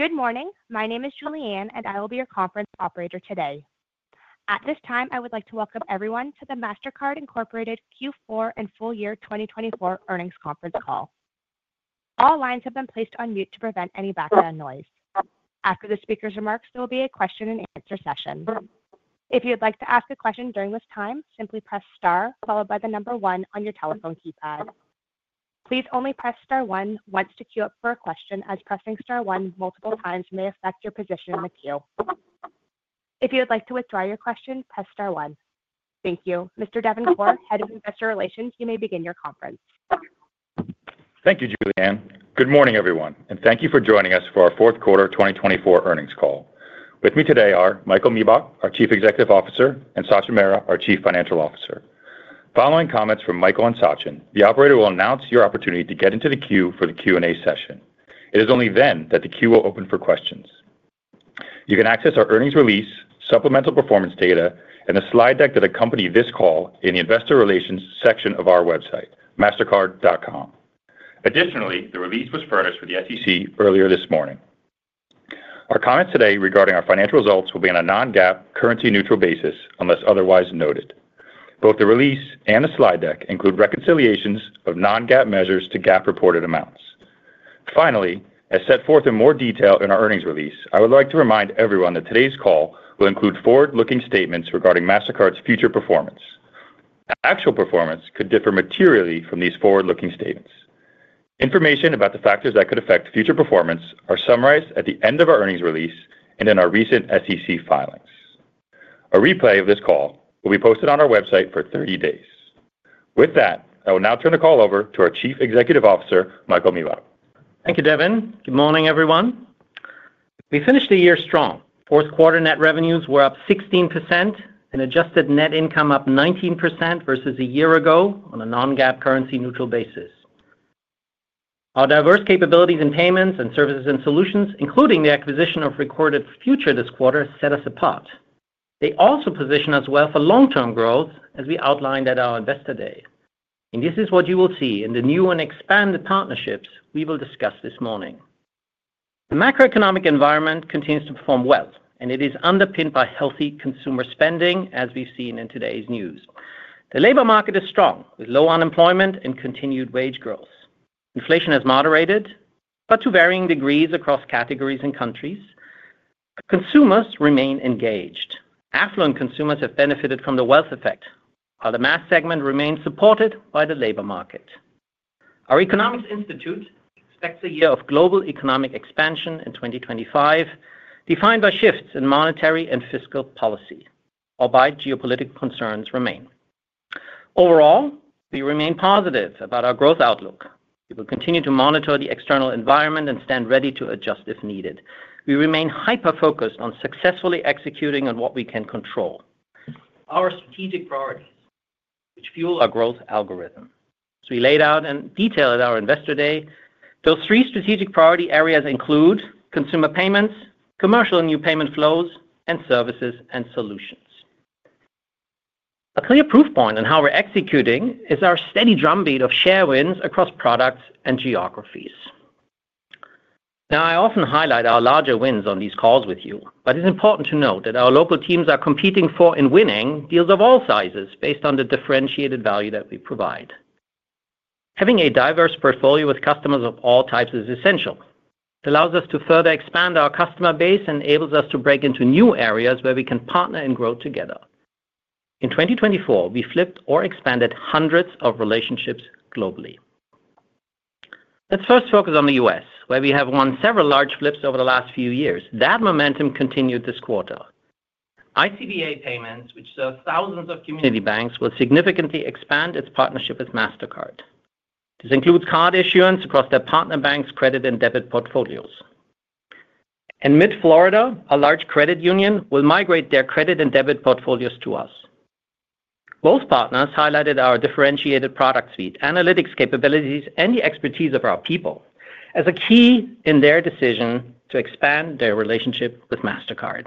Good morning. My name is Julianne, and I will be your conference operator today. At this time, I would like to welcome everyone to the Mastercard Incorporated Q4 and full year 2024 earnings conference call. All lines have been placed on mute to prevent any background noise. After the speaker's remarks, there will be a question-and-answer session. If you would like to ask a question during this time, simply press star followed by the number one on your telephone keypad. Please only press star one once to queue up for a question, as pressing star one multiple times may affect your position in the queue. If you would like to withdraw your question, press star one. Thank you. Mr. Devin Corr, Head of Investor Relations, you may begin your conference. Thank you, Julianne. Good morning, everyone, and thank you for joining us for our fourth quarter 2024 earnings call. With me today are Michael Miebach, our Chief Executive Officer, and Sachin Mehra, our Chief Financial Officer. Following comments from Michael and Sachin, the operator will announce your opportunity to get into the queue for the Q&A session. It is only then that the queue will open for questions. You can access our earnings release, supplemental performance data, and the slide deck that accompany this call in the investor relations section of our website, Mastercard.com. Additionally, the release was furnished for the SEC earlier this morning. Our comments today regarding our financial results will be on a non-GAAP currency-neutral basis unless otherwise noted. Both the release and the slide deck include reconciliations of non-GAAP measures to GAAP reported amounts. Finally, as set forth in more detail in our earnings release, I would like to remind everyone that today's call will include forward-looking statements regarding Mastercard's future performance. Actual performance could differ materially from these forward-looking statements. Information about the factors that could affect future performance are summarized at the end of our earnings release and in our recent SEC filings. A replay of this call will be posted on our website for 30 days. With that, I will now turn the call over to our Chief Executive Officer, Michael Miebach. Thank you, Devin. Good morning, everyone. We finished the year strong. Fourth quarter net revenues were up 16% and adjusted net income up 19% versus a year ago on a Non-GAAP currency-neutral basis. Our diverse capabilities in payments and services and solutions, including the acquisition of Recorded Future this quarter, set us apart. They also position us well for long-term growth, as we outlined at our Investor Day. And this is what you will see in the new and expanded partnerships we will discuss this morning. The macroeconomic environment continues to perform well, and it is underpinned by healthy consumer spending, as we've seen in today's news. The labor market is strong, with low unemployment and continued wage growth. Inflation has moderated, but to varying degrees across categories and countries. Consumers remain engaged. Affluent consumers have benefited from the wealth effect, while the mass segment remains supported by the labor market. Our Economics Institute expects a year of global economic expansion in 2025, defined by shifts in monetary and fiscal policy, whereby geopolitical concerns remain. Overall, we remain positive about our growth outlook. We will continue to monitor the external environment and stand ready to adjust if needed. We remain hyper-focused on successfully executing on what we can control. Our strategic priorities, which fuel our growth algorithm, as we laid out in detail at our Investor Day, those three strategic priority areas include consumer payments, commercial and new payment flows, and services and solutions. A clear proof point on how we're executing is our steady drumbeat of share wins across products and geographies. Now, I often highlight our larger wins on these calls with you, but it's important to note that our local teams are competing for and winning deals of all sizes based on the differentiated value that we provide. Having a diverse portfolio with customers of all types is essential. It allows us to further expand our customer base and enables us to break into new areas where we can partner and grow together. In 2024, we flipped or expanded hundreds of relationships globally. Let's first focus on the U.S., where we have won several large flips over the last few years. That momentum continued this quarter. ICBA Payments, which serves thousands of community banks, will significantly expand its partnership with Mastercard. This includes card issuance across their partner banks' credit and debit portfolios, and MIDFLORIDA, a large credit union, will migrate their credit and debit portfolios to us. Both partners highlighted our differentiated product suite, analytics capabilities, and the expertise of our people as a key in their decision to expand their relationship with Mastercard.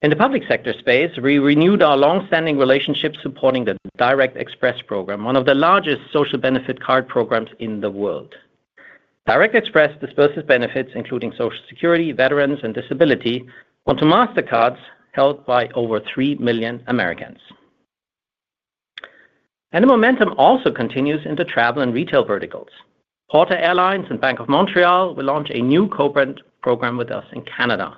In the public sector space, we renewed our long-standing relationship supporting the Direct Express program, one of the largest social benefit card programs in the world. Direct Express disperses benefits, including Social Security, veterans, and disability, onto Mastercards, held by over 3 million Americans. And the momentum also continues in the travel and retail verticals. Porter Airlines and Bank of Montreal will launch a new co-brand program with us in Canada.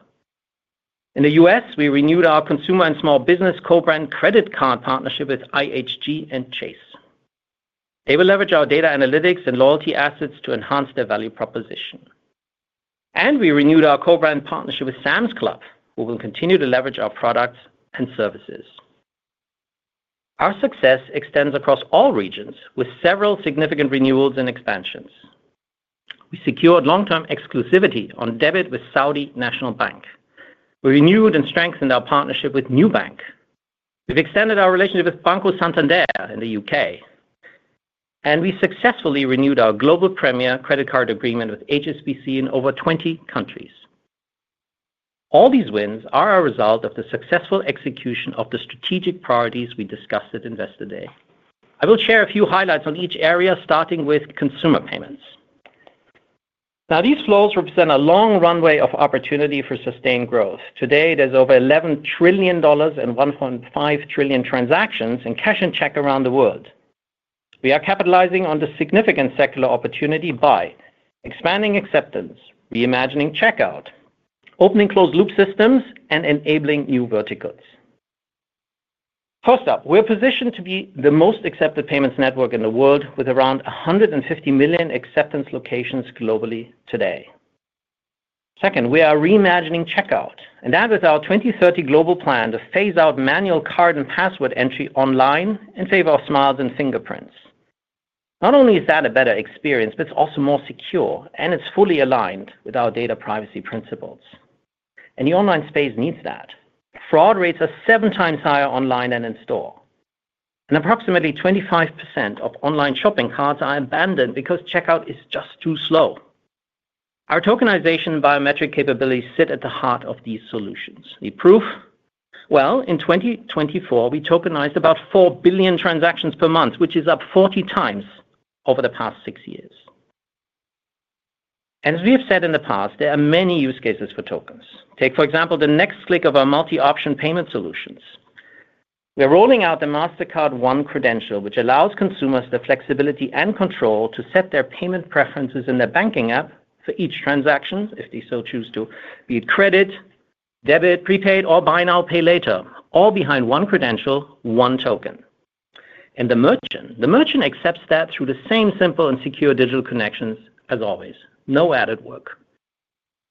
In the U.S., we renewed our consumer and small business co-brand credit card partnership with IHG and Chase. They will leverage our data analytics and loyalty assets to enhance their value proposition. And we renewed our co-brand partnership with Sam's Club, who will continue to leverage our products and services. Our success extends across all regions, with several significant renewals and expansions. We secured long-term exclusivity on debit with Saudi National Bank. We renewed and strengthened our partnership with Nubank. We've extended our relationship with Banco Santander in the UK. And we successfully renewed our global premier credit card agreement with HSBC in over 20 countries. All these wins are a result of the successful execution of the strategic priorities we discussed at Investor Day. I will share a few highlights on each area, starting with consumer payments. Now, these flows represent a long runway of opportunity for sustained growth. Today, there's over $11 trillion and 1.5 trillion transactions in cash and check around the world. We are capitalizing on the significant secular opportunity by expanding acceptance, reimagining checkout, opening closed-loop systems, and enabling new verticals. First up, we're positioned to be the most accepted payments network in the world, with around 150 million acceptance locations globally today. Second, we are reimagining checkout. And that is our 2030 global plan to phase out manual card and password entry online in favor of smiles and fingerprints. Not only is that a better experience, but it's also more secure, and it's fully aligned with our data privacy principles. And the online space needs that. Fraud rates are seven times higher online than in store. And approximately 25% of online shopping carts are abandoned because checkout is just too slow. Our tokenization and biometric capabilities sit at the heart of these solutions. The proof? Well, in 2024, we tokenized about 4 billion transactions per month, which is up 40x over the past six years. As we have said in the past, there are many use cases for tokens. Take, for example, the next click of our multi-option payment solutions. We're rolling out the Mastercard One credential, which allows consumers the flexibility and control to set their payment preferences in their banking app for each transaction, if they so choose to, be it credit, debit, prepaid, or buy now, pay later, all behind one credential, one token, and the merchant accepts that through the same simple and secure digital connections as always. No added work.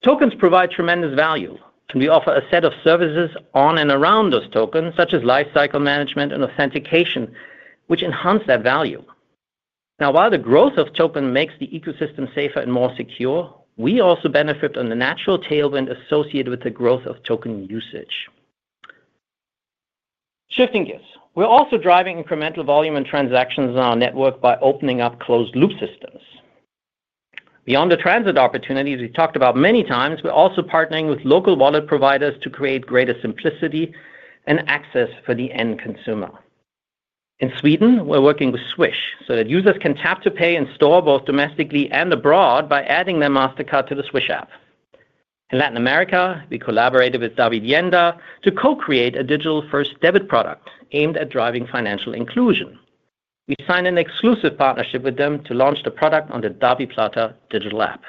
Tokens provide tremendous value, and we offer a set of services on and around those tokens, such as lifecycle management and authentication, which enhance that value. Now, while the growth of tokens makes the ecosystem safer and more secure, we also benefit from the natural tailwind associated with the growth of token usage. Shifting gears, we're also driving incremental volume and transactions in our network by opening up closed-loop systems. Beyond the transit opportunities we talked about many times, we're also partnering with local wallet providers to create greater simplicity and access for the end consumer. In Sweden, we're working with Swish so that users can tap to pay and store both domestically and abroad by adding their Mastercard to the Swish app. In Latin America, we collaborated with Davivienda to co-create a digital-first debit product aimed at driving financial inclusion. We signed an exclusive partnership with them to launch the product on the DaviPlata digital app,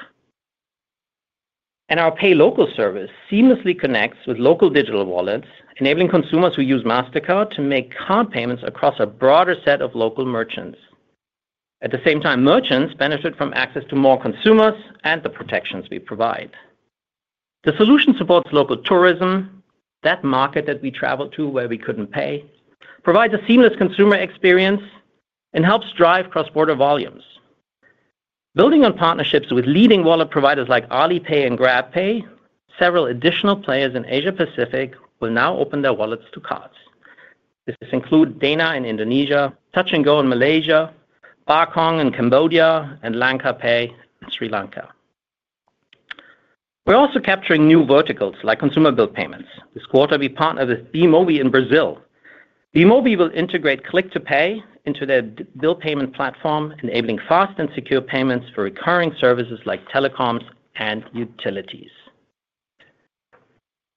and our Pay Local service seamlessly connects with local digital wallets, enabling consumers who use Mastercard to make card payments across a broader set of local merchants. At the same time, merchants benefit from access to more consumers and the protections we provide. The solution supports local tourism, that market that we travel to where we couldn't pay, provides a seamless consumer experience, and helps drive cross-border volumes. Building on partnerships with leading wallet providers like Alipay and GrabPay, several additional players in Asia-Pacific will now open their wallets to cards. This includes DANA in Indonesia, Touch 'n Go in Malaysia, Bakong in Cambodia, and LankaPay in Sri Lanka. We're also capturing new verticals like consumer bill payments. This quarter, we partnered with Bemobi in Brazil. Bemobi will integrate Click to Pay into their bill payment platform, enabling fast and secure payments for recurring services like telecoms and utilities.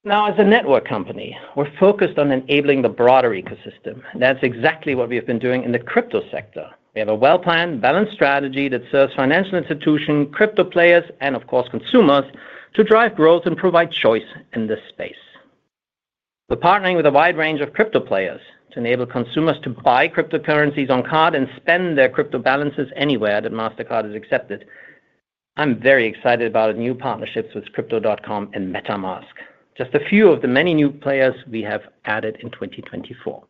Now, as a network company, we're focused on enabling the broader ecosystem. That's exactly what we have been doing in the crypto sector. We have a well-planned, balanced strategy that serves financial institutions, crypto players, and, of course, consumers to drive growth and provide choice in this space. We're partnering with a wide range of crypto players to enable consumers to buy cryptocurrencies on card and spend their crypto balances anywhere that Mastercard is accepted. I'm very excited about new partnerships with Crypto.com and MetaMask, just a few of the many new players we have added in 2024.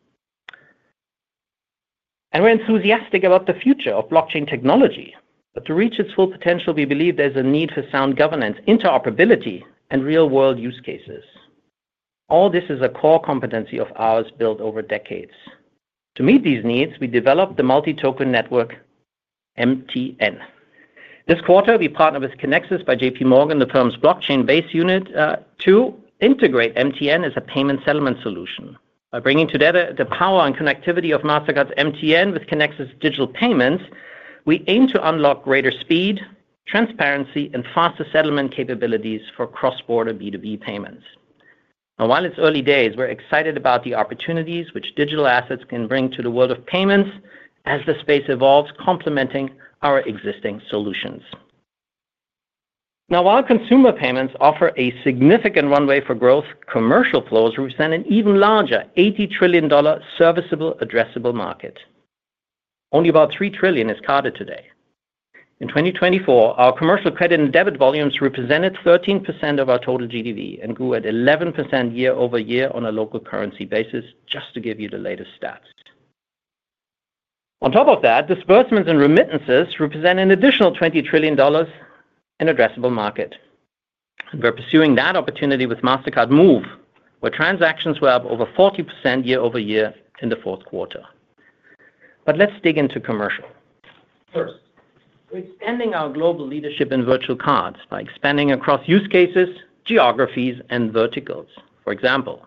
And we're enthusiastic about the future of blockchain technology. But to reach its full potential, we believe there's a need for sound governance, interoperability, and real-world use cases. All this is a core competency of ours built over decades. To meet these needs, we developed the Multi-Token Network (MTN). This quarter, we partnered with Kinexys by J.P. Morgan, the firm's blockchain-based unit, to integrate MTN as a payment settlement solution. By bringing together the power and connectivity of Mastercard's MTN with Kinexys digital payments, we aim to unlock greater speed, transparency, and faster settlement capabilities for cross-border B2B payments. And while it's early days, we're excited about the opportunities which digital assets can bring to the world of payments as the space evolves, complementing our existing solutions. Now, while consumer payments offer a significant runway for growth, commercial flows represent an even larger $80 trillion serviceable, addressable market. Only about $3 trillion is carded today. In 2024, our commercial credit and debit volumes represented 13% of our total GDV and grew at 11% year-over-year on a local currency basis, just to give you the latest stats. On top of that, disbursements and remittances represent an additional $20 trillion in addressable market. We're pursuing that opportunity with Mastercard Move, where transactions were up over 40% year-over-year in the fourth quarter. But let's dig into commercial. First, we're expanding our global leadership in virtual cards by expanding across use cases, geographies, and verticals. For example,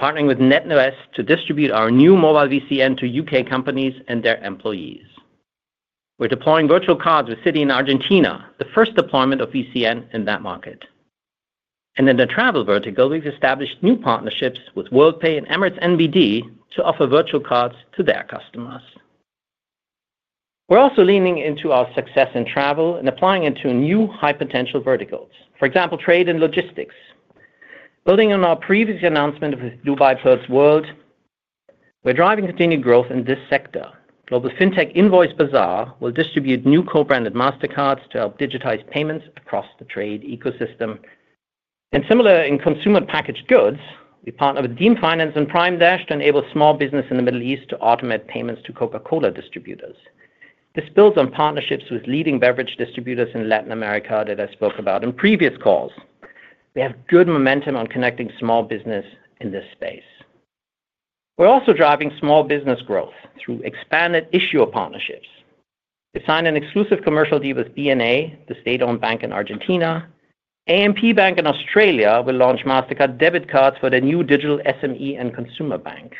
partnering with NetSuite to distribute our new mobile VCN to UK companies and their employees. We're deploying virtual cards with Citi in Argentina, the first deployment of VCN in that market. And in the travel vertical, we've established new partnerships with Worldpay and Emirates NBD to offer virtual cards to their customers. We're also leaning into our success in travel and applying it to new high-potential verticals, for example, trade and logistics. Building on our previous announcement of DP World, we're driving continued growth in this sector. Global FinTech InvoiceBazaar will distribute new co-branded Mastercards to help digitize payments across the trade ecosystem. Similar in consumer packaged goods, we partner with Dayim Finance and Prime Dash to enable small businesses in the Middle East to automate payments to Coca-Cola distributors. This builds on partnerships with leading beverage distributors in Latin America that I spoke about in previous calls. We have good momentum on connecting small business in this space. We're also driving small business growth through expanded issuer partnerships. We've signed an exclusive commercial deal with BNA, the state-owned bank in Argentina. AMP Bank in Australia will launch Mastercard debit cards for their new digital SME and consumer bank.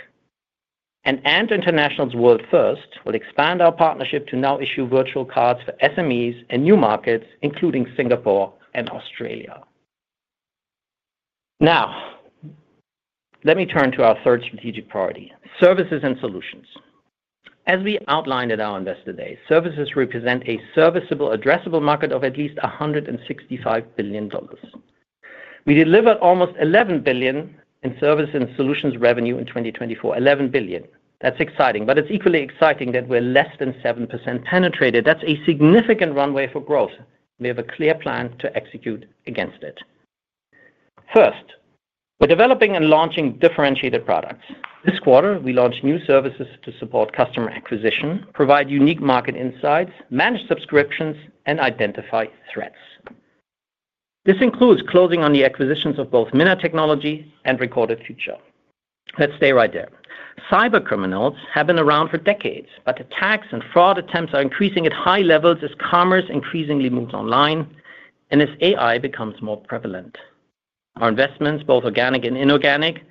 Ant International's WorldFirst will expand our partnership to now issue virtual cards for SMEs and new markets, including Singapore and Australia. Now, let me turn to our third strategic priority: services and solutions. As we outlined at our Investor Day, services represent a serviceable, addressable market of at least $165 billion. We delivered almost $11 billion in service and solutions revenue in 2024, $11 billion. That's exciting, but it's equally exciting that we're less than 7% penetrated. That's a significant runway for growth. We have a clear plan to execute against it. First, we're developing and launching differentiated products. This quarter, we launched new services to support customer acquisition, provide unique market insights, manage subscriptions, and identify threats. This includes closing on the acquisitions of both Minna Technologies and Recorded Future. Let's stay right there. Cybercriminals have been around for decades, but attacks and fraud attempts are increasing at high levels as commerce increasingly moves online and as AI becomes more prevalent. Our investments, both organic and inorganic,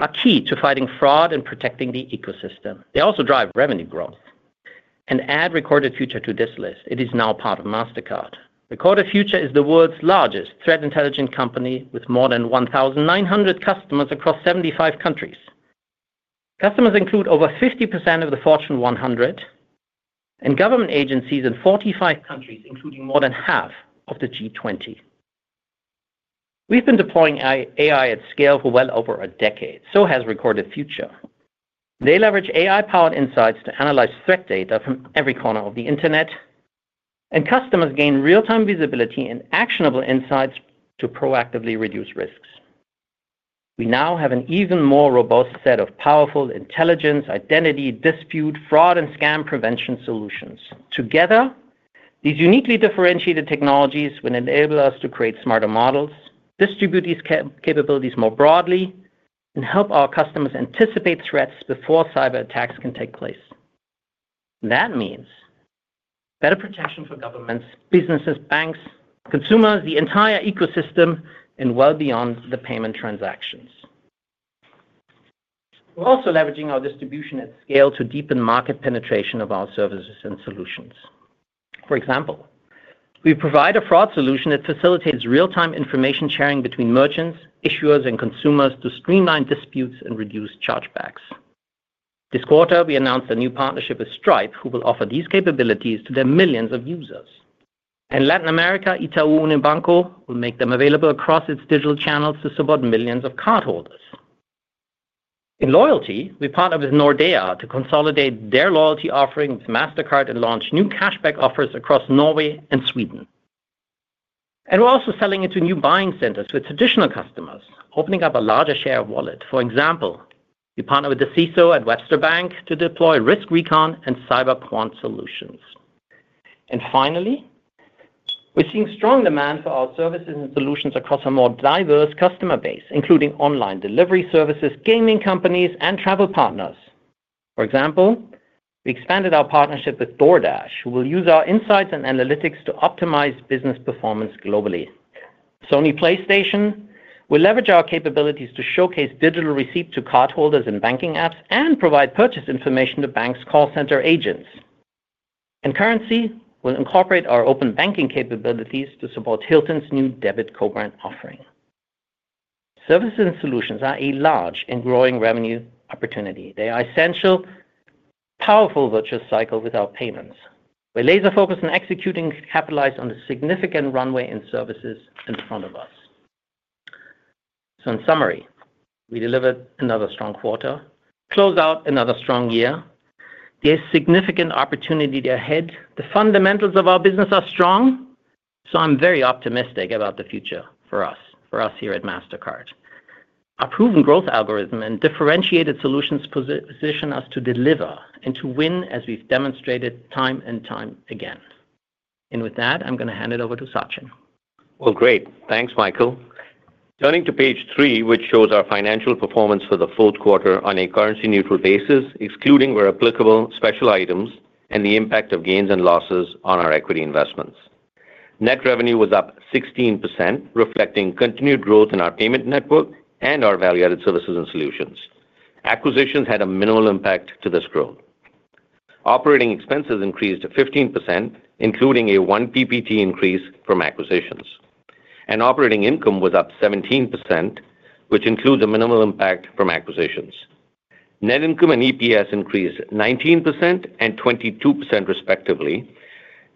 are key to fighting fraud and protecting the ecosystem. They also drive revenue growth. And add Recorded Future to this list. It is now part of Mastercard. Recorded Future is the world's largest threat intelligence company with more than 1,900 customers across 75 countries. Customers include over 50% of the Fortune 100 and government agencies in 45 countries, including more than half of the G20. We've been deploying AI at scale for well over a decade. So has Recorded Future. They leverage AI-powered insights to analyze threat data from every corner of the internet, and customers gain real-time visibility and actionable insights to proactively reduce risks. We now have an even more robust set of powerful intelligence, identity, dispute, fraud, and scam prevention solutions. Together, these uniquely differentiated technologies will enable us to create smarter models, distribute these capabilities more broadly, and help our customers anticipate threats before cyberattacks can take place. That means better protection for governments, businesses, banks, consumers, the entire ecosystem, and well beyond the payment transactions. We're also leveraging our distribution at scale to deepen market penetration of our services and solutions. For example, we provide a fraud solution that facilitates real-time information sharing between merchants, issuers, and consumers to streamline disputes and reduce chargebacks. This quarter, we announced a new partnership with Stripe, who will offer these capabilities to their millions of users. And in Latin America, Itaú Unibanco, will make them available across its digital channels to support millions of cardholders. In loyalty, we partnered with Nordea to consolidate their loyalty offering with Mastercard and launch new cashback offers across Norway and Sweden. And we're also selling into new buying centers with traditional customers, opening up a larger share of wallet. For example, we partnered with the CISO at Webster Bank to deploy RiskRecon and CyberQuant solutions. Finally, we're seeing strong demand for our services and solutions across a more diverse customer base, including online delivery services, gaming companies, and travel partners. For example, we expanded our partnership with DoorDash, who will use our insights and analytics to optimize business performance globally. Sony PlayStation will leverage our capabilities to showcase digital receipts to cardholders and banking apps and provide purchase information to banks' call center agents. And Currensea will incorporate our open banking capabilities to support Hilton's new debit co-brand offering. Services and solutions are a large and growing revenue opportunity. They are essential, powerful virtuous cycle with our payments. We're laser-focused on executing, capitalizing on the significant runway and services in front of us. In summary, we delivered another strong quarter, closed out another strong year. There's significant opportunity ahead. The fundamentals of our business are strong, so I'm very optimistic about the future for us, for us here at Mastercard. Our proven growth algorithm and differentiated solutions position us to deliver and to win, as we've demonstrated time and time again. With that, I'm going to hand it over to Sachin. Great. Thanks, Michael. Turning to page three, which shows our financial performance for the fourth quarter on a currency-neutral basis, excluding where applicable, special items, and the impact of gains and losses on our equity investments. Net revenue was up 16%, reflecting continued growth in our payment network and our value-added services and solutions. Acquisitions had a minimal impact to this growth. Operating expenses increased 15%, including a one percentage point increase from acquisitions. Operating income was up 17%, which includes a minimal impact from acquisitions. Net income and EPS increased 19% and 22%, respectively,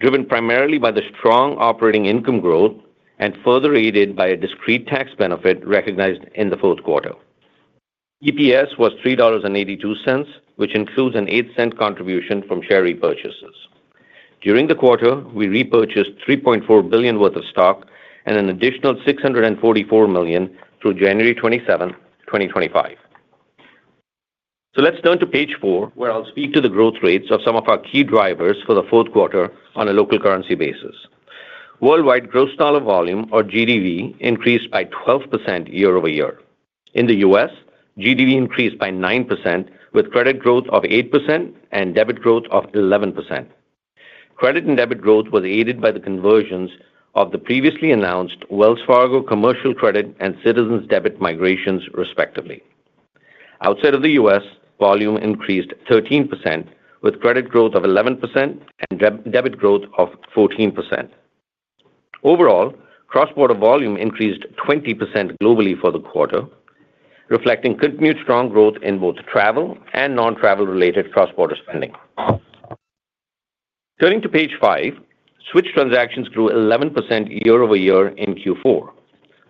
driven primarily by the strong operating income growth and further aided by a discrete tax benefit recognized in the fourth quarter. EPS was $3.82, which includes a $0.08 contribution from share repurchases. During the quarter, we repurchased $3.4 billion worth of stock and an additional $644 million through January 27th, 2025. So let's turn to page four, where I'll speak to the growth rates of some of our key drivers for the fourth quarter on a local currency basis. Worldwide, gross dollar volume, or GDV, increased by 12% year-over-year. In the U.S., GDV increased by 9%, with credit growth of 8% and debit growth of 11%. Credit and debit growth was aided by the conversions of the previously announced Wells Fargo commercial credit and Citizens debit migrations, respectively. Outside of the U.S., volume increased 13%, with credit growth of 11% and debit growth of 14%. Overall, cross-border volume increased 20% globally for the quarter, reflecting continued strong growth in both travel and non-travel-related cross-border spending. Turning to page five, switched transactions grew 11% year-over-year in Q4.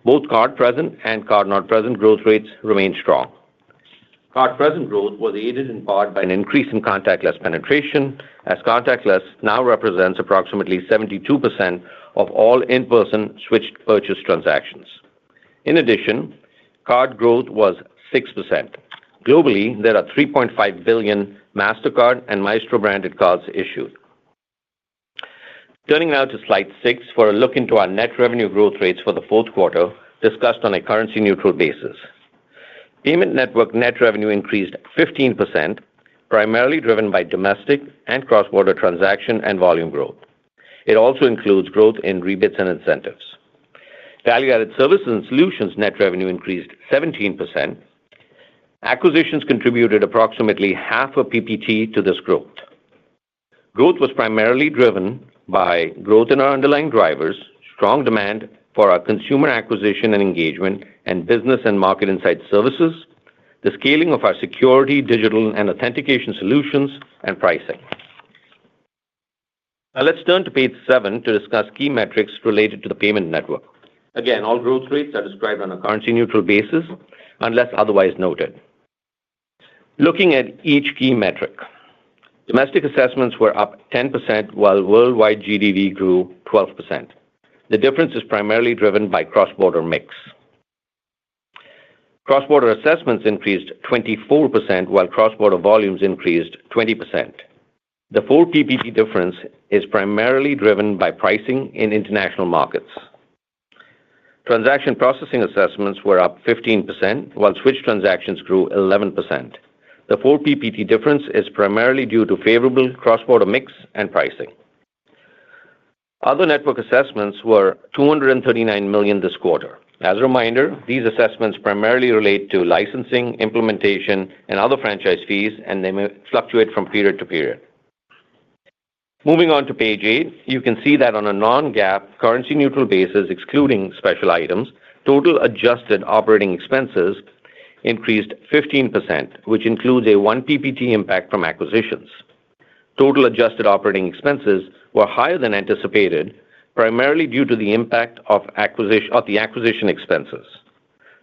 Both card-present and card-not-present growth rates remained strong. Card-present growth was aided in part by an increase in contactless penetration, as contactless now represents approximately 72% of all in-person switched purchase transactions. In addition, card growth was 6%. Globally, there are 3.5 billion Mastercard and Maestro branded cards issued. Turning now to slide six for a look into our net revenue growth rates for the fourth quarter, discussed on a currency-neutral basis. Payment network net revenue increased 15%, primarily driven by domestic and cross-border transaction and volume growth. It also includes growth in rebates and incentives. Value-added services and solutions net revenue increased 17%. Acquisitions contributed approximately half a percentage point to this growth. Growth was primarily driven by growth in our underlying drivers, strong demand for our consumer acquisition and engagement, and business and market insight services, the scaling of our security, digital, and authentication solutions, and pricing. Now, let's turn to page seven to discuss key metrics related to the payment network. Again, all growth rates are described on a currency-neutral basis unless otherwise noted. Looking at each key metric, domestic assessments were up 10%, while worldwide GDV grew 12%. The difference is primarily driven by cross-border mix. Cross-border assessments increased 24%, while cross-border volumes increased 20%. The four-percentage-point difference is primarily driven by pricing in international markets. Transaction processing assessments were up 15%, while switch transactions grew 11%. The four-percentage-point difference is primarily due to favorable cross-border mix and pricing. Other network assessments were $239 million this quarter. As a reminder, these assessments primarily relate to licensing, implementation, and other franchise fees, and they may fluctuate from period to period. Moving on to page eight, you can see that on a non-GAAP currency-neutral basis, excluding special items, total adjusted operating expenses increased 15%, which includes a one percentage point impact from acquisitions. Total adjusted operating expenses were higher than anticipated, primarily due to the impact of the acquisition expenses.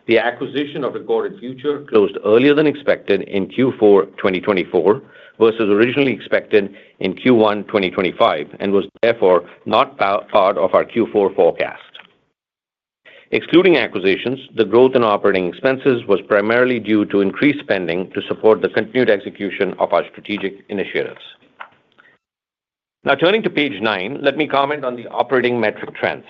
The acquisition of Recorded Future closed earlier than expected in Q4 2024 versus originally expected in Q1 2025 and was therefore not part of our Q4 forecast. Excluding acquisitions, the growth in operating expenses was primarily due to increased spending to support the continued execution of our strategic initiatives. Now, turning to page nine, let me comment on the operating metric trends.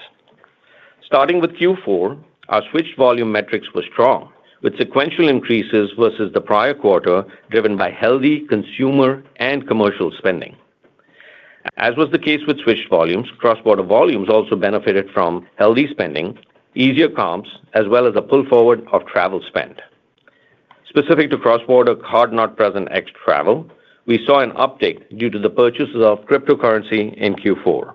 Starting with Q4, our switched volume metrics were strong, with sequential increases versus the prior quarter driven by healthy consumer and commercial spending. As was the case with switched volumes, cross-border volumes also benefited from healthy spending, easier comps, as well as a pull forward of travel spend. Specific to cross-border card-not-present transactions, we saw an uptick due to the purchases of cryptocurrency in Q4.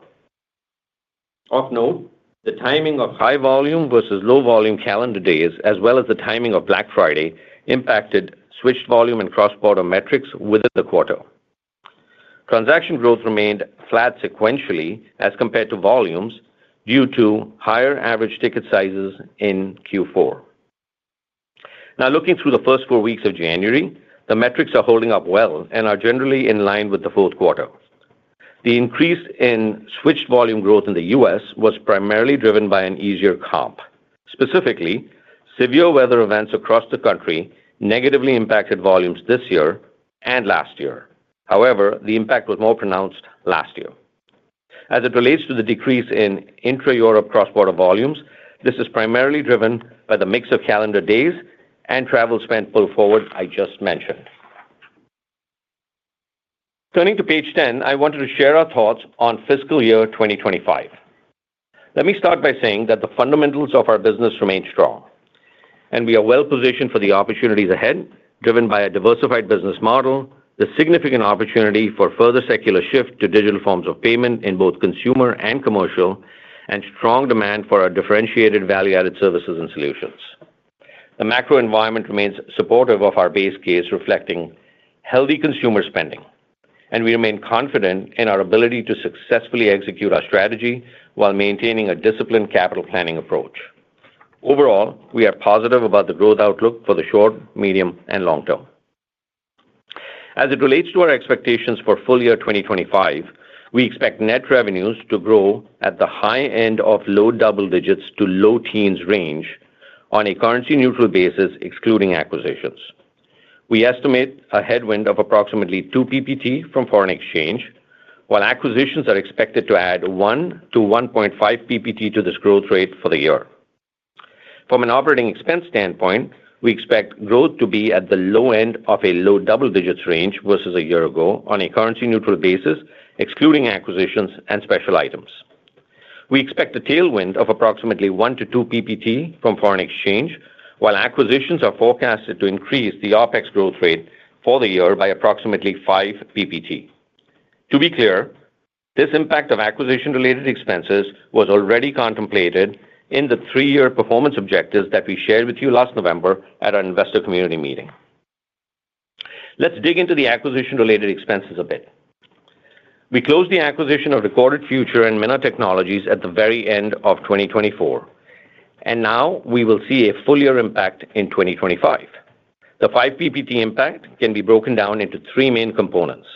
Of note, the timing of high volume versus low volume calendar days, as well as the timing of Black Friday, impacted switched volume and cross-border metrics within the quarter. Transaction growth remained flat sequentially as compared to volumes due to higher average ticket sizes in Q4. Now, looking through the first four weeks of January, the metrics are holding up well and are generally in line with the fourth quarter. The increase in switched volume growth in the U.S. was primarily driven by an easier comp. Specifically, severe weather events across the country negatively impacted volumes this year and last year. However, the impact was more pronounced last year. As it relates to the decrease in intra-Europe cross-border volumes, this is primarily driven by the mix of calendar days and travel spend pull-forward I just mentioned. Turning to page 10, I wanted to share our thoughts on fiscal year 2025. Let me start by saying that the fundamentals of our business remain strong, and we are well positioned for the opportunities ahead, driven by a diversified business model, the significant opportunity for further secular shift to digital forms of payment in both consumer and commercial, and strong demand for our differentiated value-added services and solutions. The macro environment remains supportive of our base case, reflecting healthy consumer spending, and we remain confident in our ability to successfully execute our strategy while maintaining a disciplined capital planning approach. Overall, we are positive about the growth outlook for the short, medium, and long-term. As it relates to our expectations for full year 2025, we expect net revenues to grow at the high end of low double digits to low teens range on a currency-neutral basis, excluding acquisitions. We estimate a headwind of approximately 2 PPT from foreign exchange, while acquisitions are expected to add 1 to 1.5 PPT to this growth rate for the year. From an operating expense standpoint, we expect growth to be at the low end of a low double digits range versus a year ago on a currency-neutral basis, excluding acquisitions and special items. We expect a tailwind of approximately 1-2 PPT from foreign exchange, while acquisitions are forecasted to increase the OpEx growth rate for the year by approximately 5 PPT. To be clear, this impact of acquisition-related expenses was already contemplated in the three-year performance objectives that we shared with you last November at our investor community meeting. Let's dig into the acquisition-related expenses a bit. We closed the acquisition of Recorded Future and Minna Technologies at the very end of 2024, and now we will see a full year impact in 2025. The 5 PPT impact can be broken down into three main components.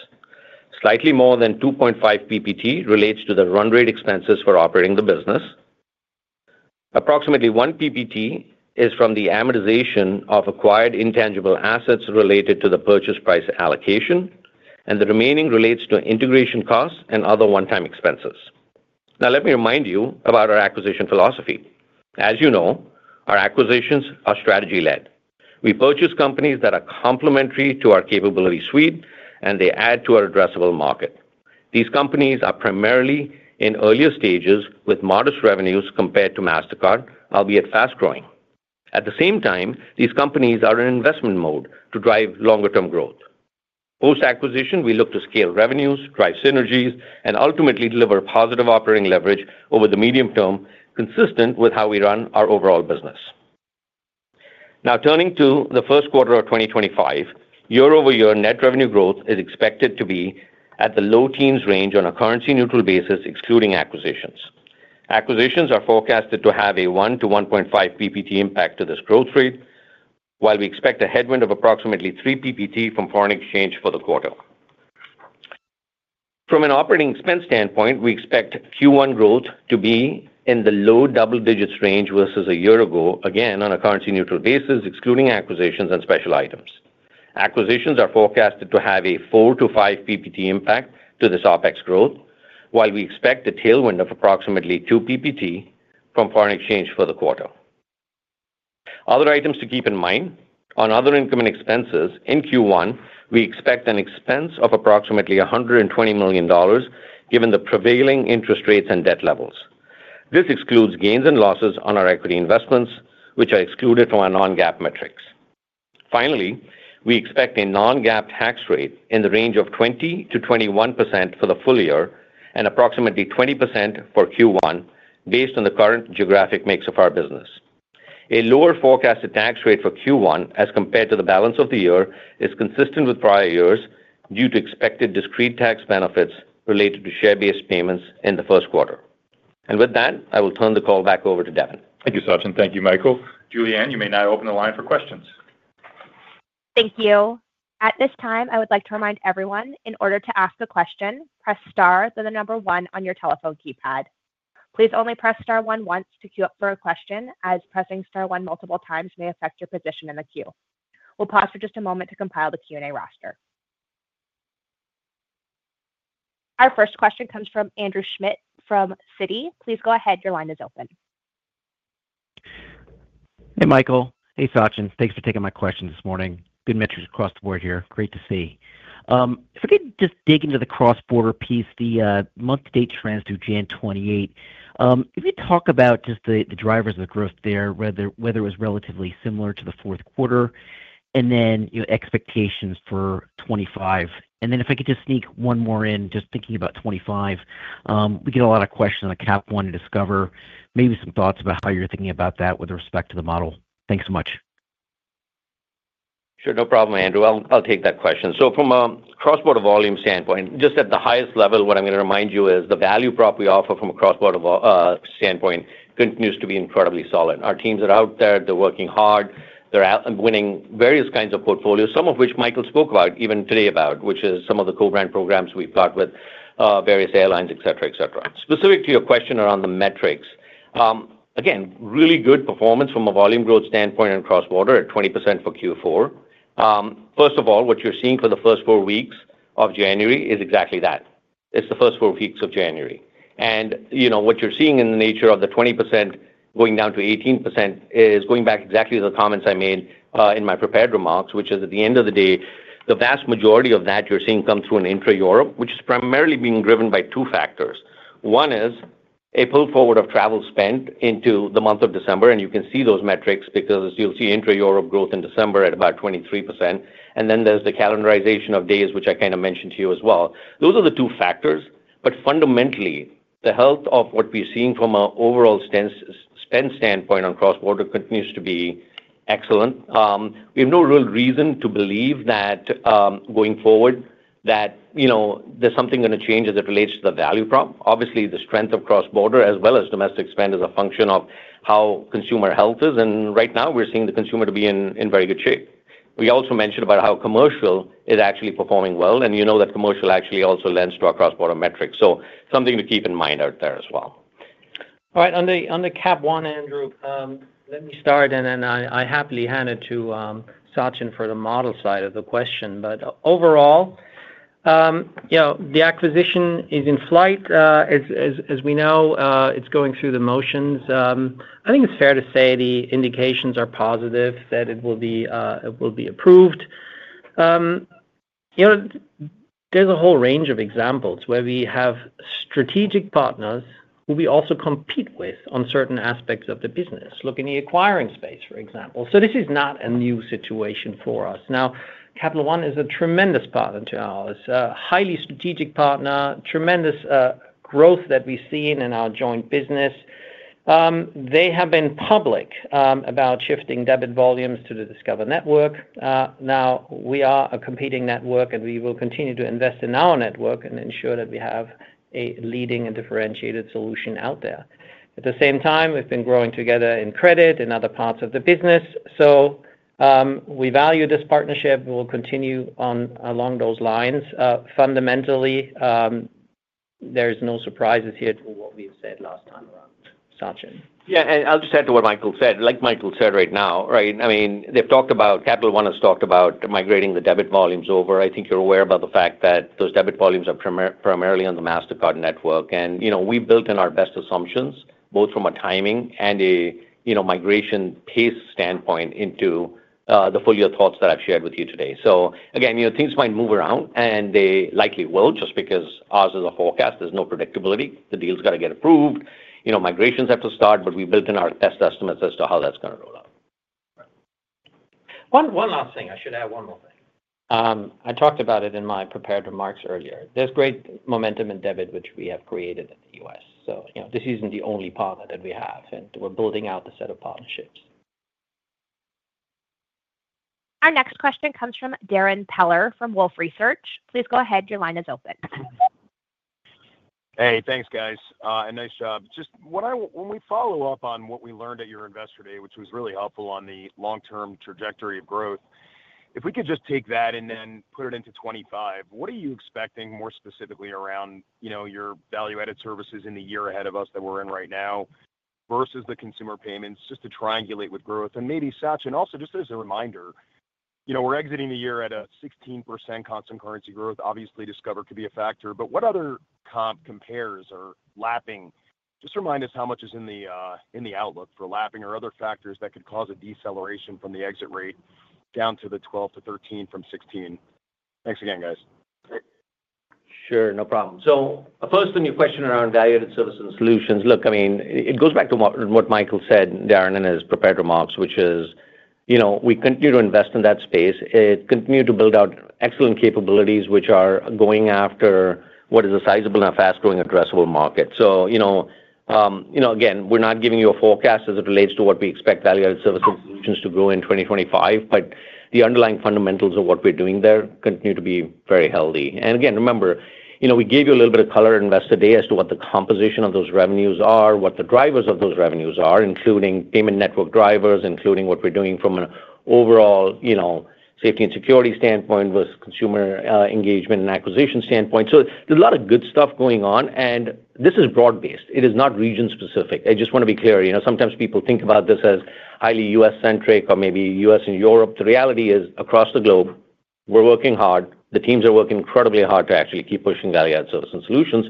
Slightly more than 2.5 PPT relates to the run rate expenses for operating the business. Approximately 1 PPT is from the amortization of acquired intangible assets related to the purchase price allocation, and the remaining relates to integration costs and other one-time expenses. Now, let me remind you about our acquisition philosophy. As you know, our acquisitions are strategy-led. We purchase companies that are complementary to our capability suite, and they add to our addressable market. These companies are primarily in earlier stages with modest revenues compared to Mastercard, albeit fast-growing. At the same time, these companies are in investment mode to drive longer-term growth. Post-acquisition, we look to scale revenues, drive synergies, and ultimately deliver positive operating leverage over the medium term, consistent with how we run our overall business. Now, turning to the first quarter of 2025, year-over-year net revenue growth is expected to be at the low teens range on a currency-neutral basis, excluding acquisitions. Acquisitions are forecasted to have a 1 to 1.5 PPT impact to this growth rate, while we expect a headwind of approximately 3 PPT from foreign exchange for the quarter. From an operating expense standpoint, we expect Q1 growth to be in the low double digits range versus a year ago, again on a currency-neutral basis, excluding acquisitions and special items. Acquisitions are forecasted to have a 4-5 PPT impact to this OpEx growth, while we expect a tailwind of approximately 2 PPT from foreign exchange for the quarter. Other items to keep in mind: on other incoming expenses, in Q1, we expect an expense of approximately $120 million, given the prevailing interest rates and debt levels. This excludes gains and losses on our equity investments, which are excluded from our non-GAAP metrics. Finally, we expect a non-GAAP tax rate in the range of 20%-21% for the full year and approximately 20% for Q1, based on the current geographic mix of our business. A lower forecasted tax rate for Q1 as compared to the balance of the year is consistent with prior years due to expected discrete tax benefits related to share-based payments in the first quarter. With that, I will turn the call back over to Devin. Thank you, Sachin. Thank you, Michael. Julianne, you may now open the line for questions. Thank you. At this time, I would like to remind everyone, in order to ask a question, press star to the number one on your telephone keypad. Please only press star one once to queue up for a question, as pressing star one multiple times may affect your position in the queue. We'll pause for just a moment to compile the Q&A roster. Our first question comes from Andrew Schmidt from Citi. Please go ahead. Your line is open. Hey, Michael. Hey, Sachin. Thanks for taking my question this morning. Good metrics across the board here. Great to see. If I could just dig into the cross-border piece, the month-to-date trends through January 28, if you talk about just the drivers of the growth there, whether it was relatively similar to the fourth quarter, and then expectations for 2025. And then if I could just sneak one more in, just thinking about 2025, we get a lot of questions on the Capital One and Discover, maybe some thoughts about how you're thinking about that with respect to the model. Thanks so much. Sure. No problem, Andrew. I'll take that question. So from a cross-border volume standpoint, just at the highest level, what I'm going to remind you is the value prop we offer from a cross-border standpoint continues to be incredibly solid. Our teams are out there. They're working hard. They're winning various kinds of portfolios, some of which Michael spoke about even today about, which is some of the co-brand programs we've got with various airlines, etc., etc. Specific to your question around the metrics, again, really good performance from a volume growth standpoint and cross-border at 20% for Q4. First of all, what you're seeing for the first four weeks of January is exactly that. It's the first four weeks of January, and what you're seeing in the nature of the 20% going down to 18% is going back exactly to the comments I made in my prepared remarks, which is at the end of the day, the vast majority of that you're seeing come through in intra-Europe, which is primarily being driven by two factors. One is a pull forward of travel spent into the month of December, and you can see those metrics because you'll see intra-Europe growth in December at about 23%. And then there's the calendarization of days, which I kind of mentioned to you as well. Those are the two factors, but fundamentally, the health of what we're seeing from an overall spend standpoint on cross-border continues to be excellent. We have no real reason to believe that going forward that there's something going to change as it relates to the value prop. Obviously, the strength of cross-border as well as domestic spend is a function of how consumer health is. And right now, we're seeing the consumer to be in very good shape. We also mentioned about how commercial is actually performing well, and you know that commercial actually also lends to our cross-border metrics. Something to keep in mind out there as well. All right. On the Capital One, Andrew, let me start, and then I happily hand it to Sachin for the model side of the question. Overall, the acquisition is in flight. As we know, it's going through the motions. I think it's fair to say the indications are positive that it will be approved. There's a whole range of examples where we have strategic partners who we also compete with on certain aspects of the business, looking at the acquiring space, for example. This is not a new situation for us. Now, Capital One is a tremendous partner to ours, a highly strategic partner, tremendous growth that we've seen in our joint business. They have been public about shifting debit volumes to the Discover network. Now, we are a competing network, and we will continue to invest in our network and ensure that we have a leading and differentiated solution out there. At the same time, we've been growing together in credit and other parts of the business. So we value this partnership. We'll continue along those lines. Fundamentally, there are no surprises here to what we've said last time around, Sachin. Yeah. And I'll just add to what Michael said. Like Michael said right now, right? I mean, they've talked about. Capital One has talked about migrating the debit volumes over. I think you're aware about the fact that those debit volumes are primarily on the Mastercard network. And we've built in our best assumptions, both from a timing and a migration pace standpoint, into the full year thoughts that I've shared with you today. So again, things might move around, and they likely will just because ours is a forecast. There's no predictability. The deal's got to get approved. Migrations have to start, but we've built in our best estimates as to how that's going to roll out. One last thing. I should add one more thing. I talked about it in my prepared remarks earlier. There's great momentum in debit, which we have created in the U.S. So this isn't the only partner that we have, and we're building out the set of partnerships. Our next question comes from Darrin Peller from Wolfe Research. Please go ahead. Your line is open. Hey, thanks, guys. And nice job. Just to follow-up on what we learned at your investor day, which was really helpful on the long-term trajectory of growth, if we could just take that and then put it into 2025, what are you expecting more specifically around your value-added services in the year ahead of us that we're in right now versus the consumer payments just to triangulate with growth? And maybe, Sachin, also just as a reminder, we're exiting the year at a 16% constant currency growth. Obviously, Discover could be a factor, but what other comp compares are lapping? Just remind us how much is in the outlook for lapping or other factors that could cause a deceleration from the exit rate down to the 12%-13% from 16%. Thanks again, guys. Sure. No problem. So first, a new question around value-added services and solutions. Look, I mean, it goes back to what Michael said, Darrin, in his prepared remarks, which is we continue to invest in that space. Continue to build out excellent capabilities, which are going after what is a sizable and fast-growing addressable market. So again, we're not giving you a forecast as it relates to what we expect value-added services and solutions to grow in 2025, but the underlying fundamentals of what we're doing there continue to be very healthy, and again, remember, we gave you a little bit of color investor day as to what the composition of those revenues are, what the drivers of those revenues are, including payment network drivers, including what we're doing from an overall safety and security standpoint versus consumer engagement and acquisition standpoint. So there's a lot of good stuff going on, and this is broad-based. It is not region-specific. I just want to be clear. Sometimes people think about this as highly US-centric or maybe U.S. and Europe. The reality is across the globe, we're working hard. The teams are working incredibly hard to actually keep pushing value-added services and solutions.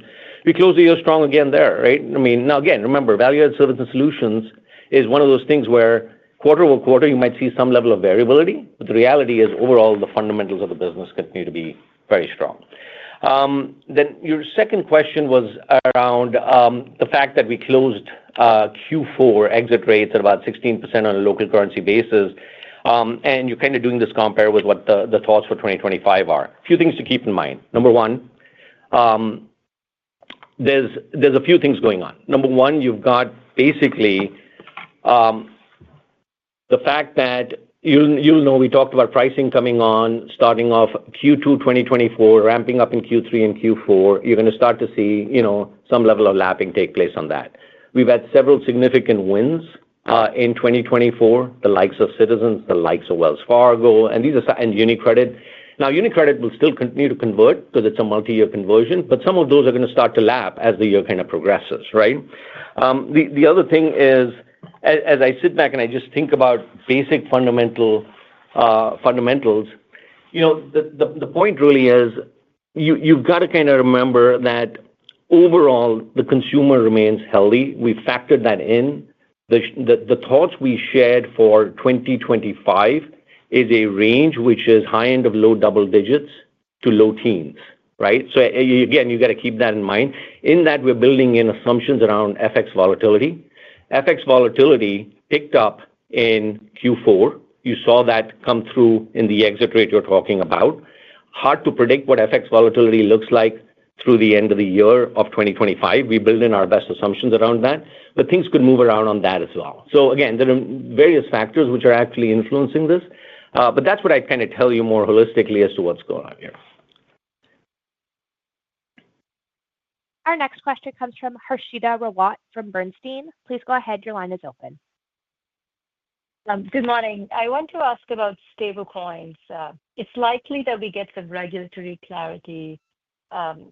We close the year strong again there, right? I mean, now again, remember, value-added services and solutions is one of those things where quarter over quarter, you might see some level of variability, but the reality is overall, the fundamentals of the business continue to be very strong. Then your second question was around the fact that we closed Q4 exit rates at about 16% on a local currency basis, and you're kind of doing this compare with what the thoughts for 2025 are. A few things to keep in mind. Number one, there's a few things going on. Number one, you've got basically the fact that you know we talked about pricing coming on, starting off Q2 2024, ramping up in Q3 and Q4. You're going to start to see some level of lapping take place on that. We've had several significant wins in 2024, the likes of Citizens, the likes of Wells Fargo, and UniCredit. Now, UniCredit will still continue to convert because it's a multi-year conversion, but some of those are going to start to lap as the year kind of progresses, right? The other thing is, as I sit back and I just think about basic fundamentals, the point really is you've got to kind of remember that overall, the consumer remains healthy. We factored that in. The thoughts we shared for 2025 is a range which is high end of low double digits to low teens, right? So again, you've got to keep that in mind. In that, we're building in assumptions around FX volatility. FX volatility picked up in Q4. You saw that come through in the exit rate you're talking about. Hard to predict what FX volatility looks like through the end of the year of 2025. We built in our best assumptions around that, but things could move around on that as well. So again, there are various factors which are actually influencing this, but that's what I'd kind of tell you more holistically as to what's going on here. Our next question comes from Harshita Rawat from Bernstein. Please go ahead. Your line is open. Good morning. I want to ask about stablecoins. It's likely that we get some regulatory clarity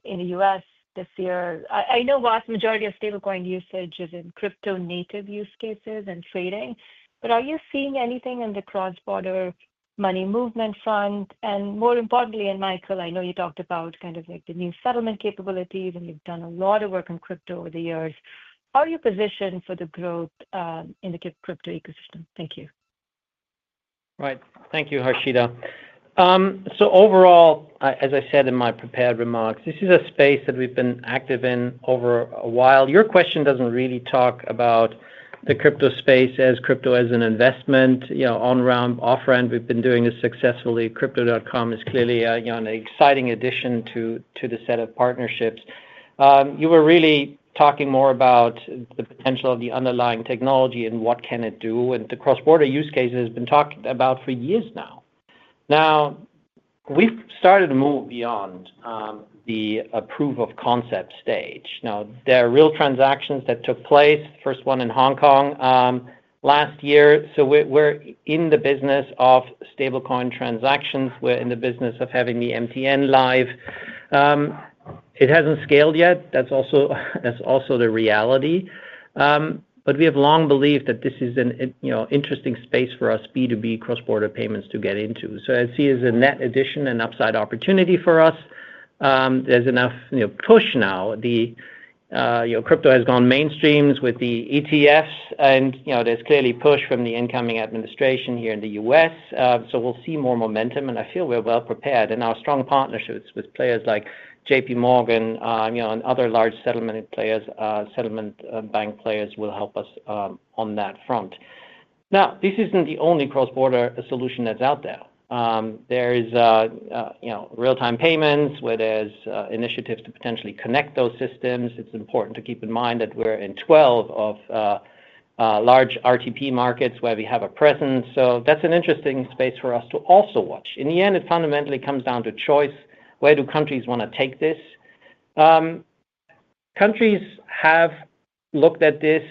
in the U.S. this year. I know vast majority of stablecoin usage is in crypto-native use cases and trading, but are you seeing anything in the cross-border money movement front? And more importantly, and Michael, I know you talked about kind of the new settlement capabilities, and you've done a lot of work in crypto over the years. How are you positioned for the growth in the crypto ecosystem? Thank you. Right. Thank you, Harshita. So overall, as I said in my prepared remarks, this is a space that we've been active in over a while. Your question doesn't really talk about the crypto space as crypto as an investment. On-ramp, off-ramp, we've been doing this successfully. Crypto.com is clearly an exciting addition to the set of partnerships. You were really talking more about the potential of the underlying technology and what can it do. And the cross-border use case has been talked about for years now. Now, we've started to move beyond the proof of concept stage. Now, there are real transactions that took place, first one in Hong Kong last year. So we're in the business of stablecoin transactions. We're in the business of having the MTN live. It hasn't scaled yet. That's also the reality. But we have long believed that this is an interesting space for us B2B cross-border payments to get into. So I see it as a net addition and upside opportunity for us. There's enough push now. Crypto has gone mainstream with the ETFs, and there's clearly push from the incoming administration here in the U.S. So we'll see more momentum, and I feel we're well prepared. And our strong partnerships with players like JPMorgan and other large settlement bank players will help us on that front. Now, this isn't the only cross-border solution that's out there. There is real-time payments where there's initiatives to potentially connect those systems. It's important to keep in mind that we're in 12 of large RTP markets where we have a presence. So that's an interesting space for us to also watch. In the end, it fundamentally comes down to choice. Where do countries want to take this? Countries have looked at this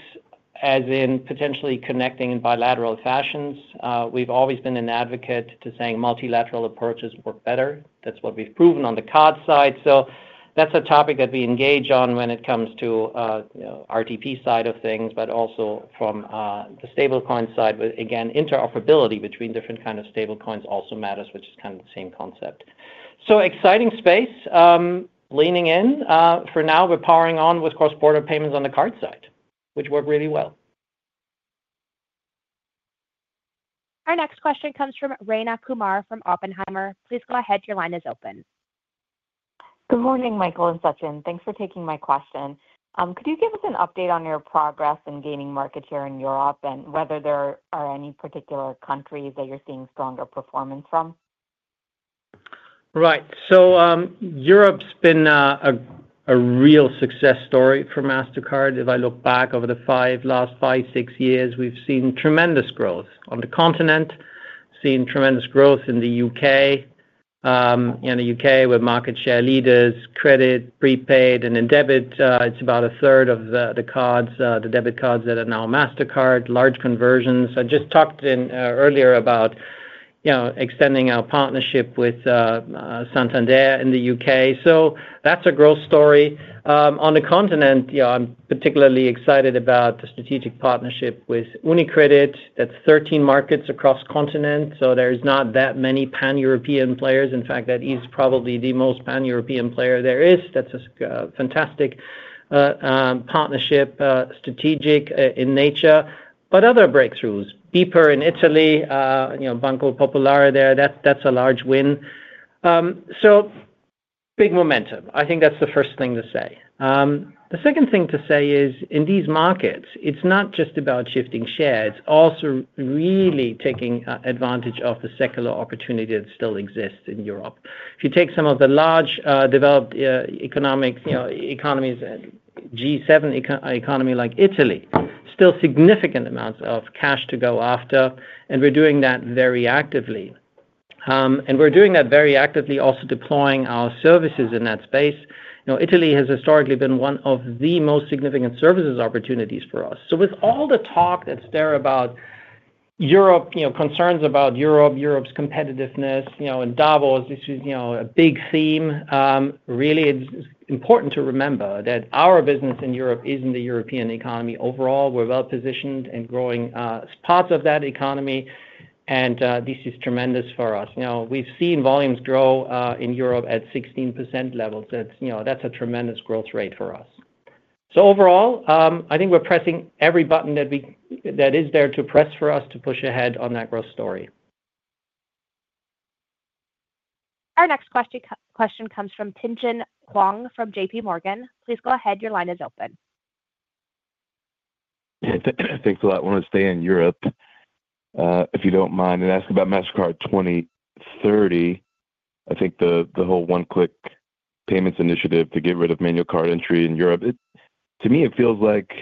as in potentially connecting in bilateral fashions. We've always been an advocate to saying multilateral approaches work better. That's what we've proven on the card side. So that's a topic that we engage on when it comes to RTP side of things, but also from the stablecoin side, again, interoperability between different kinds of stablecoins also matters, which is kind of the same concept. So exciting space leaning in. For now, we're powering on with cross-border payments on the card side, which work really well. Our next question comes from Rayna Kumar from Oppenheimer. Please go ahead. Your line is open. Good morning, Michael and Sachin. Thanks for taking my question. Could you give us an update on your progress in gaining market share in Europe and whether there are any particular countries that you're seeing stronger performance from? Right. So Europe's been a real success story for Mastercard. If I look back over the last five, six years, we've seen tremendous growth on the continent, seen tremendous growth in the U.K. In the U.K., we're market share leaders, credit, prepaid, and debit. It's about a third of the debit cards that are now Mastercard, large conversions. I just talked earlier about extending our partnership with Santander in the U.K. So that's a growth story. On the continent, I'm particularly excited about the strategic partnership with UniCredit. That's 13 markets across the continent. So there's not that many pan-European players. In fact, that is probably the most pan-European player there is. That's a fantastic partnership, strategic in nature. But other breakthroughs, BPER in Italy, Banco Popolare there, that's a large win. So big momentum. I think that's the first thing to say. The second thing to say is, in these markets, it's not just about shifting shares. It's also really taking advantage of the secular opportunity that still exists in Europe. If you take some of the large developed economies, G7 economy like Italy, still significant amounts of cash to go after, and we're doing that very actively. And we're doing that very actively also deploying our services in that space. Italy has historically been one of the most significant services opportunities for us. With all the talk that's there about Europe, concerns about Europe, Europe's competitiveness, and Davos, this is a big theme. Really, it's important to remember that our business in Europe is in the European economy overall. We're well positioned and growing parts of that economy, and this is tremendous for us. We've seen volumes grow in Europe at 16% levels. That's a tremendous growth rate for us. Overall, I think we're pressing every button that is there to press for us to push ahead on that growth story. Our next question comes from Tien-tsin Huang from JPMorgan. Please go ahead. Your line is open. Thanks a lot. I want to stay in Europe, if you don't mind, and ask about Mastercard 2030. I think the whole one-click payments initiative to get rid of manual card entry in Europe, to me, it feels like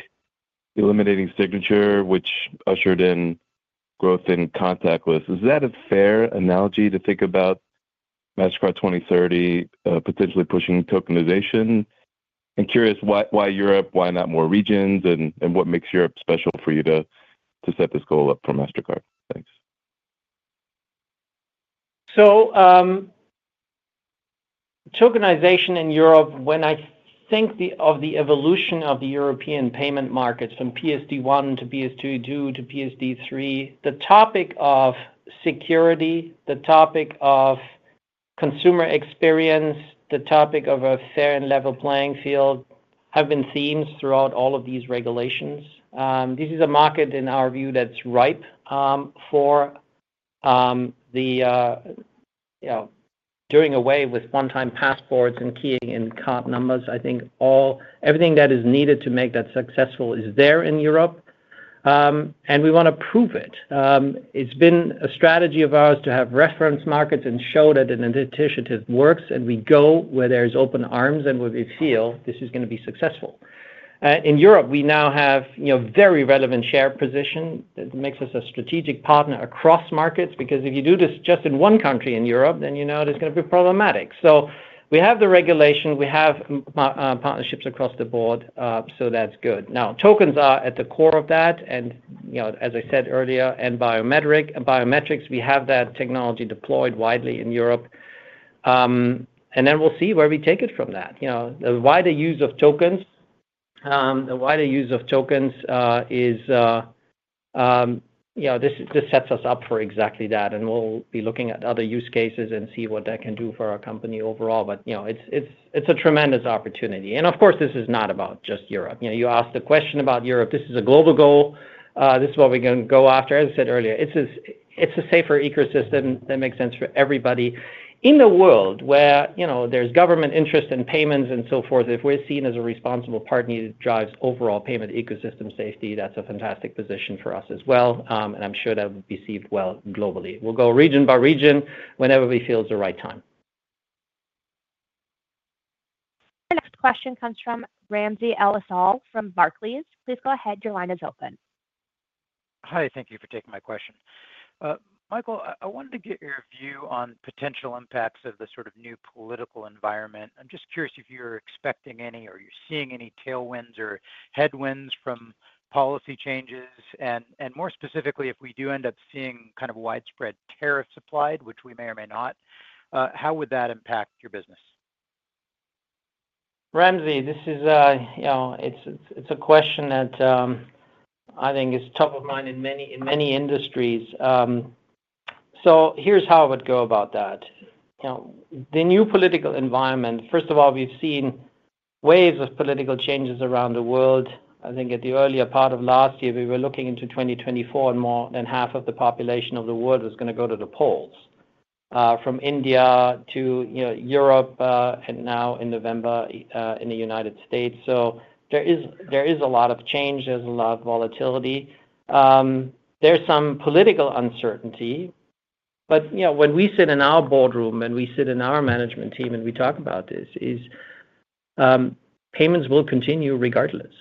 eliminating signature, which ushered in growth in contactless. Is that a fair analogy to think about Mastercard 2030, potentially pushing tokenization? I'm curious why Europe, why not more regions, and what makes Europe special for you to set this goal up for Mastercard? Thanks. Tokenization in Europe, when I think of the evolution of the European payment markets from PSD1 to PSD2 to PSD3, the topic of security, the topic of consumer experience, the topic of a fair and level playing field have been themes throughout all of these regulations. This is a market, in our view, that's ripe for the doing away with one-time passwords and keying in card numbers. I think everything that is needed to make that successful is there in Europe, and we want to prove it. It's been a strategy of ours to have reference markets and show that an initiative works, and we go where there's open arms and where we feel this is going to be successful. In Europe, we now have a very relevant share position that makes us a strategic partner across markets because if you do this just in one country in Europe, then you know it's going to be problematic. So we have the regulation. We have partnerships across the board, so that's good. Now, tokens are at the core of that, and as I said earlier, and biometrics, we have that technology deployed widely in Europe. And then we'll see where we take it from that. The wider use of tokens. This sets us up for exactly that, and we'll be looking at other use cases and see what that can do for our company overall. It's a tremendous opportunity. Of course, this is not about just Europe. You asked the question about Europe. This is a global goal. This is what we're going to go after. As I said earlier, it's a safer ecosystem that makes sense for everybody. In the world where there's government interest in payments and so forth, if we're seen as a responsible partner that drives overall payment ecosystem safety, that's a fantastic position for us as well. I'm sure that will be received well globally. We'll go region by region whenever we feel is the right time. Our next question comes from Ramsey El-Assal from Barclays. Please go ahead. Your line is open. Hi. Thank you for taking my question. Michael, I wanted to get your view on potential impacts of the sort of new political environment. I'm just curious if you're expecting any or you're seeing any tailwinds or headwinds from policy changes. And more specifically, if we do end up seeing kind of widespread tariffs applied, which we may or may not, how would that impact your business? Ramsey, this is a question that I think is top of mind in many industries. So here's how I would go about that. The new political environment, first of all, we've seen waves of political changes around the world. I think at the earlier part of last year, we were looking into 2024, and more than half of the population of the world was going to go to the polls, from India to Europe and now in November in the United States. So there is a lot of change. There's a lot of volatility. There's some political uncertainty. But when we sit in our boardroom and we sit in our management team and we talk about this, payments will continue regardless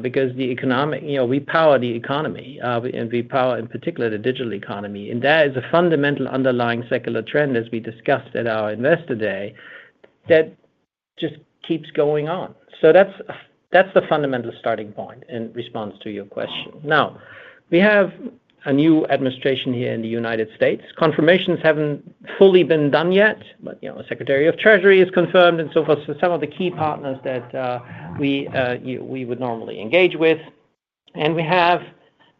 because we power the economy, and we power, in particular, the digital economy. And that is a fundamental underlying secular trend, as we discussed at our investor day, that just keeps going on. So that's the fundamental starting point in response to your question. Now, we have a new administration here in the United States. Confirmations haven't fully been done yet, but the Secretary of the Treasury is confirmed and so forth. So some of the key partners that we would normally engage with. And we have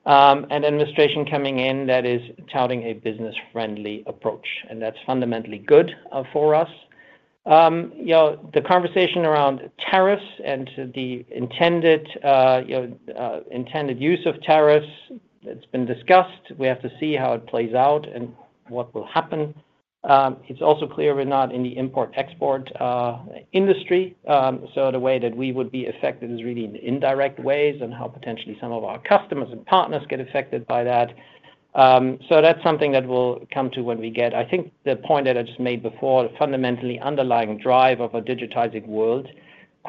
an administration coming in that is touting a business-friendly approach, and that's fundamentally good for us. The conversation around tariffs and the intended use of tariffs, it's been discussed. We have to see how it plays out and what will happen. It's also clear we're not in the import-export industry. So the way that we would be affected is really in indirect ways and how potentially some of our customers and partners get affected by that. So that's something that we'll come to when we get, I think, the point that I just made before, the fundamentally underlying drive of a digitizing world.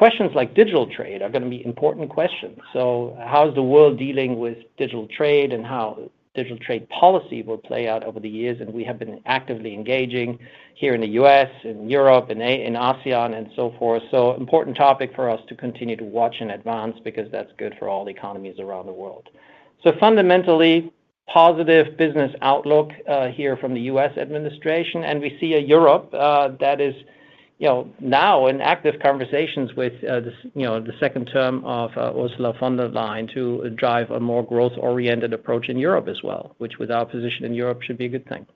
Questions like digital trade are going to be important questions. So how is the world dealing with digital trade and how digital trade policy will play out over the years? And we have been actively engaging here in the U.S., in Europe, in ASEAN, and so forth. So important topic for us to continue to watch in advance because that's good for all economies around the world. So fundamentally positive business outlook here from the U.S. administration. And we see a Europe that is now in active conversations with the second term of Ursula von der Leyen to drive a more growth-oriented approach in Europe as well, which, with our position in Europe, should be a good thing.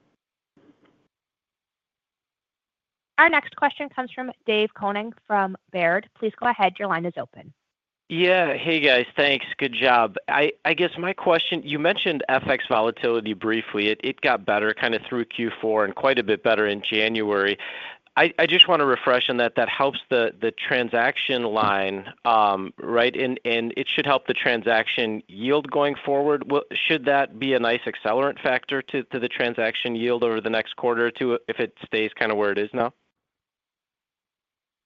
Our next question comes from David Koning from Baird. Please go ahead. Your line is open. Yeah. Hey, guys. Thanks. Good job. I guess my question, you mentioned FX volatility briefly. It got better kind of through Q4 and quite a bit better in January. I just want to refresh on that. That helps the transaction line, right? And it should help the transaction yield going forward. Should that be a nice accelerant factor to the transaction yield over the next quarter or two if it stays kind of where it is now?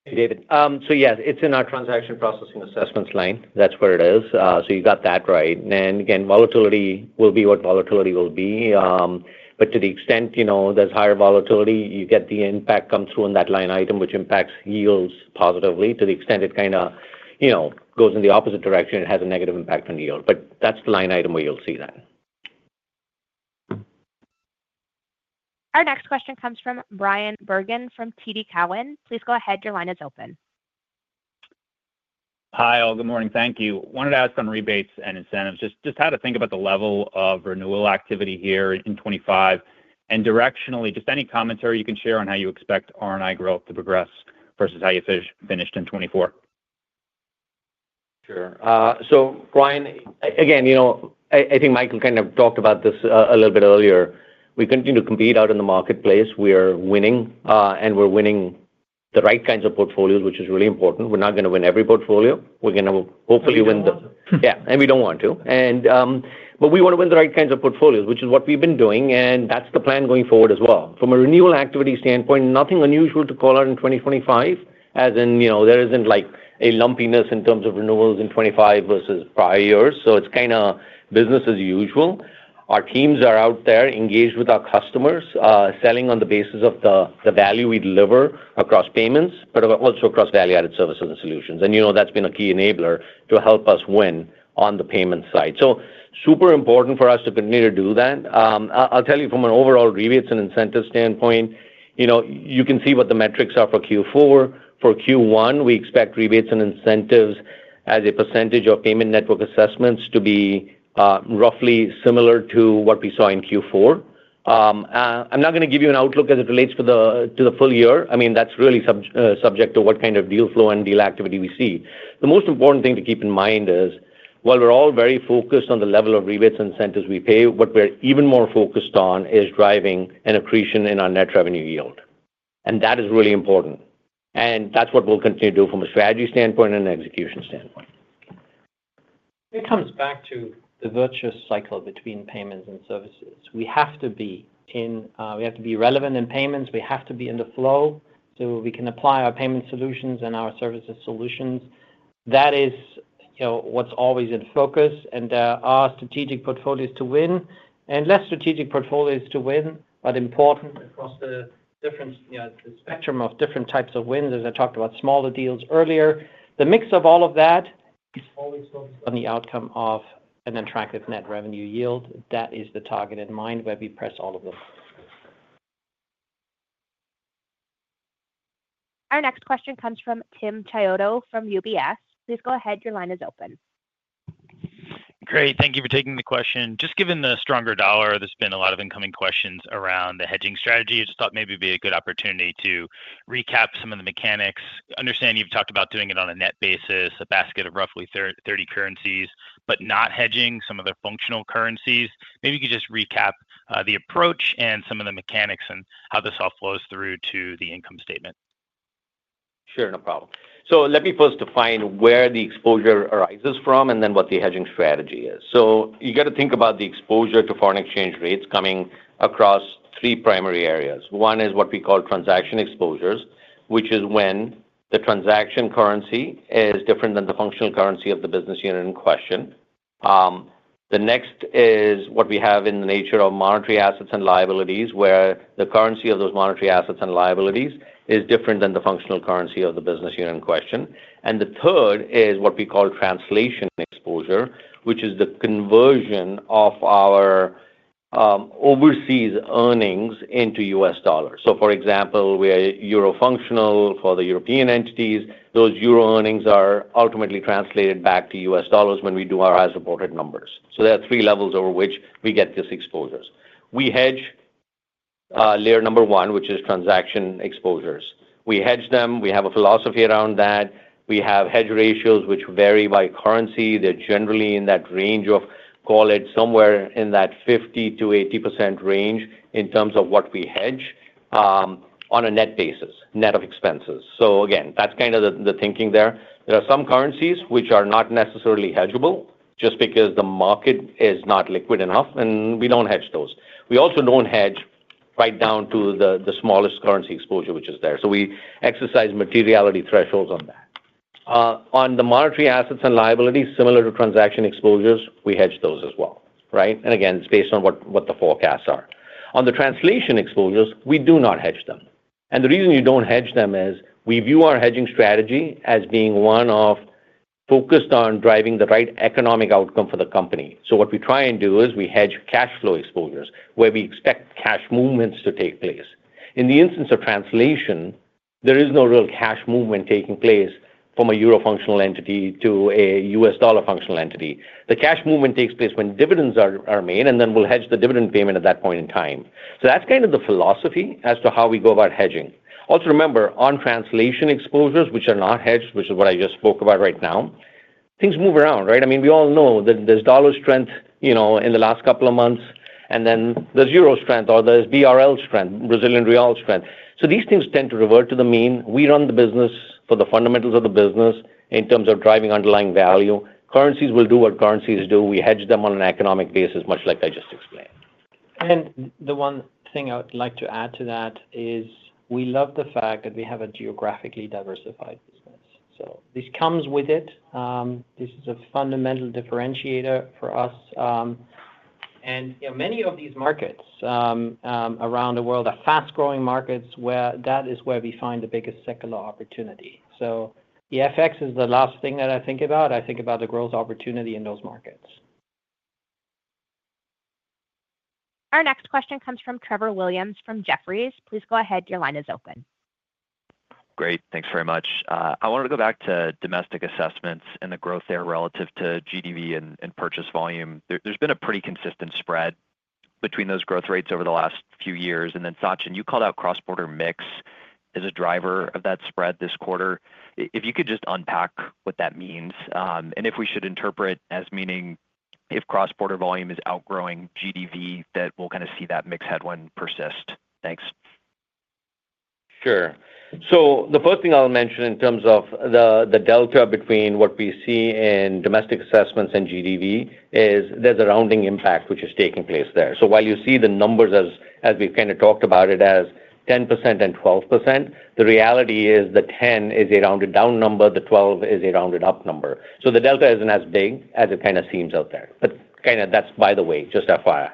Hey, David. So yes, it's in our transaction processing assessments line. That's where it is. So you got that right. And again, volatility will be what volatility will be. But to the extent there's higher volatility, you get the impact come through in that line item, which impacts yields positively to the extent it kind of goes in the opposite direction. It has a negative impact on yield. But that's the line item where you'll see that. Our next question comes from Bryan Bergin from TD Cowen. Please go ahead. Your line is open. Hi, all. Good morning. Thank you. Wanted to ask on rebates and incentives, just how to think about the level of renewal activity here in 2025 and directionally, just any commentary you can share on how you expect R&I growth to progress versus how you finished in 2024. Sure. So Bryan, again, I think Michael kind of talked about this a little bit earlier. We continue to compete out in the marketplace. We are winning, and we're winning the right kinds of portfolios, which is really important. We're not going to win every portfolio. We're going to hopefully win the. Yeah. And we don't want to. But we want to win the right kinds of portfolios, which is what we've been doing, and that's the plan going forward as well. From a renewal activity standpoint, nothing unusual to call out in 2025, as in there isn't a lumpiness in terms of renewals in 2025 versus prior years. So it's kind of business as usual. Our teams are out there engaged with our customers, selling on the basis of the value we deliver across payments, but also across value-added services and solutions. And that's been a key enabler to help us win on the payment side. So super important for us to continue to do that. I'll tell you from an overall rebates and incentive standpoint, you can see what the metrics are for Q4. For Q1, we expect rebates and incentives as a percentage of payment network assessments to be roughly similar to what we saw in Q4. I'm not going to give you an outlook as it relates to the full year. I mean, that's really subject to what kind of deal flow and deal activity we see. The most important thing to keep in mind is, while we're all very focused on the level of rebates and incentives we pay, what we're even more focused on is driving an accretion in our net revenue yield. And that is really important. And that's what we'll continue to do from a strategy standpoint and an execution standpoint. It comes back to the virtuous cycle between payments and services. We have to be in, we have to be relevant in payments. We have to be in the flow so we can apply our payment solutions and our services solutions. That is what's always in focus, and there are strategic portfolios to win and less strategic portfolios to win, but important across the spectrum of different types of wins, as I talked about smaller deals earlier. The mix of all of that is always focused on the outcome of an attractive net revenue yield. That is the target in mind where we press all of them. Our next question comes from Tim Chiodo from UBS. Please go ahead. Your line is open. Great. Thank you for taking the question. Just given the stronger dollar, there's been a lot of incoming questions around the hedging strategy. I just thought maybe it'd be a good opportunity to recap some of the mechanics. Understanding you've talked about doing it on a net basis, a basket of roughly 30 currencies, but not hedging some of the functional currencies. Maybe you could just recap the approach and some of the mechanics and how this all flows through to the income statement? Sure. No problem. So let me first define where the exposure arises from and then what the hedging strategy is. So you got to think about the exposure to foreign exchange rates coming across three primary areas. One is what we call transaction exposures, which is when the transaction currency is different than the functional currency of the business unit in question. The next is what we have in the nature of monetary assets and liabilities, where the currency of those monetary assets and liabilities is different than the functional currency of the business unit in question. And the third is what we call translation exposure, which is the conversion of our overseas earnings into U.S. dollars. So for example, we are Euro functional for the European entities. Those euro earnings are ultimately translated back to U.S. dollars when we do our highest reported numbers. So there are three levels over which we get these exposures. We hedge layer number one, which is transaction exposures. We hedge them. We have a philosophy around that. We have hedge ratios which vary by currency. They're generally in that range of, call it somewhere in that 50%-80% range in terms of what we hedge on a net basis, net of expenses. So again, that's kind of the thinking there. There are some currencies which are not necessarily hedgeable just because the market is not liquid enough, and we don't hedge those. We also don't hedge right down to the smallest currency exposure, which is there. So we exercise materiality thresholds on that. On the monetary assets and liabilities, similar to transaction exposures, we hedge those as well, right? And again, it's based on what the forecasts are. On the translation exposures, we do not hedge them. And the reason you don't hedge them is we view our hedging strategy as being one of focused on driving the right economic outcome for the company. So what we try and do is we hedge cash flow exposures, where we expect cash movements to take place. In the instance of translation, there is no real cash movement taking place from a Euro functional entity to a US dollar functional entity. The cash movement takes place when dividends are made, and then we'll hedge the dividend payment at that point in time. So that's kind of the philosophy as to how we go about hedging. Also remember, on translation exposures, which are not hedged, which is what I just spoke about right now, things move around, right? I mean, we all know that there's dollar strength in the last couple of months, and then there's Euro strength or there's BRL strength, Brazilian Real strength. So these things tend to revert to the mean. We run the business for the fundamentals of the business in terms of driving underlying value. Currencies will do what currencies do. We hedge them on an economic basis, much like I just explained. And the one thing I would like to add to that is we love the fact that we have a geographically diversified business. So this comes with it. This is a fundamental differentiator for us. And many of these markets around the world are fast-growing markets, where that is where we find the biggest secular opportunity. So the FX is the last thing that I think about. I think about the growth opportunity in those markets. Our next question comes from Trevor Williams from Jefferies. Please go ahead. Your line is open. Great. Thanks very much. I wanted to go back to domestic assessments and the growth there relative to GDV and purchase volume. There's been a pretty consistent spread between those growth rates over the last few years. And then, Sachin, you called out cross-border mix as a driver of that spread this quarter. If you could just unpack what that means, and if we should interpret as meaning if cross-border volume is outgrowing GDV, that we'll kind of see that mix headwind persist. Thanks. Sure. So the first thing I'll mention in terms of the delta between what we see in domestic assessments and GDV is there's a rounding impact, which is taking place there. So while you see the numbers, as we've kind of talked about it, as 10% and 12%, the reality is the 10 is a rounded-down number. The 12 is a rounded-up number. So the delta isn't as big as it kind of seems out there. But kind of that's by the way, just FYI.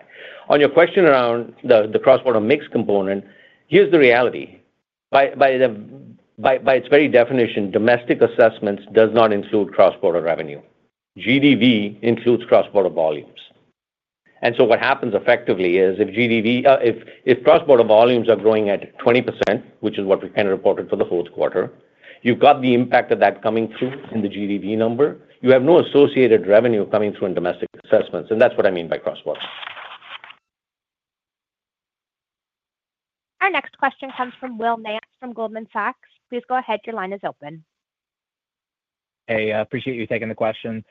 On your question around the cross-border mix component, here's the reality. By its very definition, domestic assessments does not include cross-border revenue. GDV includes cross-border volumes. And so what happens effectively is if cross-border volumes are growing at 20%, which is what we kind of reported for the fourth quarter, you've got the impact of that coming through in the GDV number. You have no associated revenue coming through in domestic assessments. And that's what I mean by cross-border. Our next question comes from Will Nance from Goldman Sachs. Please go ahead. Your line is open. Hey, I appreciate you taking the question.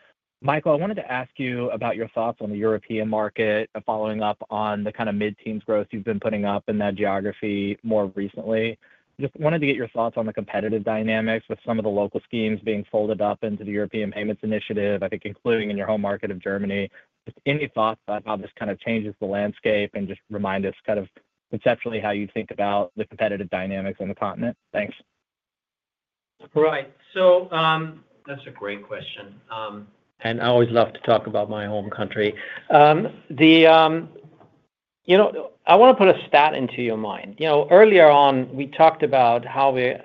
Michael, I wanted to ask you about your thoughts on the European market, following up on the kind of mid-teens growth you've been putting up in that geography more recently. Just wanted to get your thoughts on the competitive dynamics with some of the local schemes being folded up into the European Payments Initiative, I think including in your home market of Germany. Any thoughts about how this kind of changes the landscape and just remind us kind of conceptually how you think about the competitive dynamics on the continent? Thanks. Right. So that's a great question. And I always love to talk about my home country. I want to put a stat into your mind. Earlier on, we talked about how we're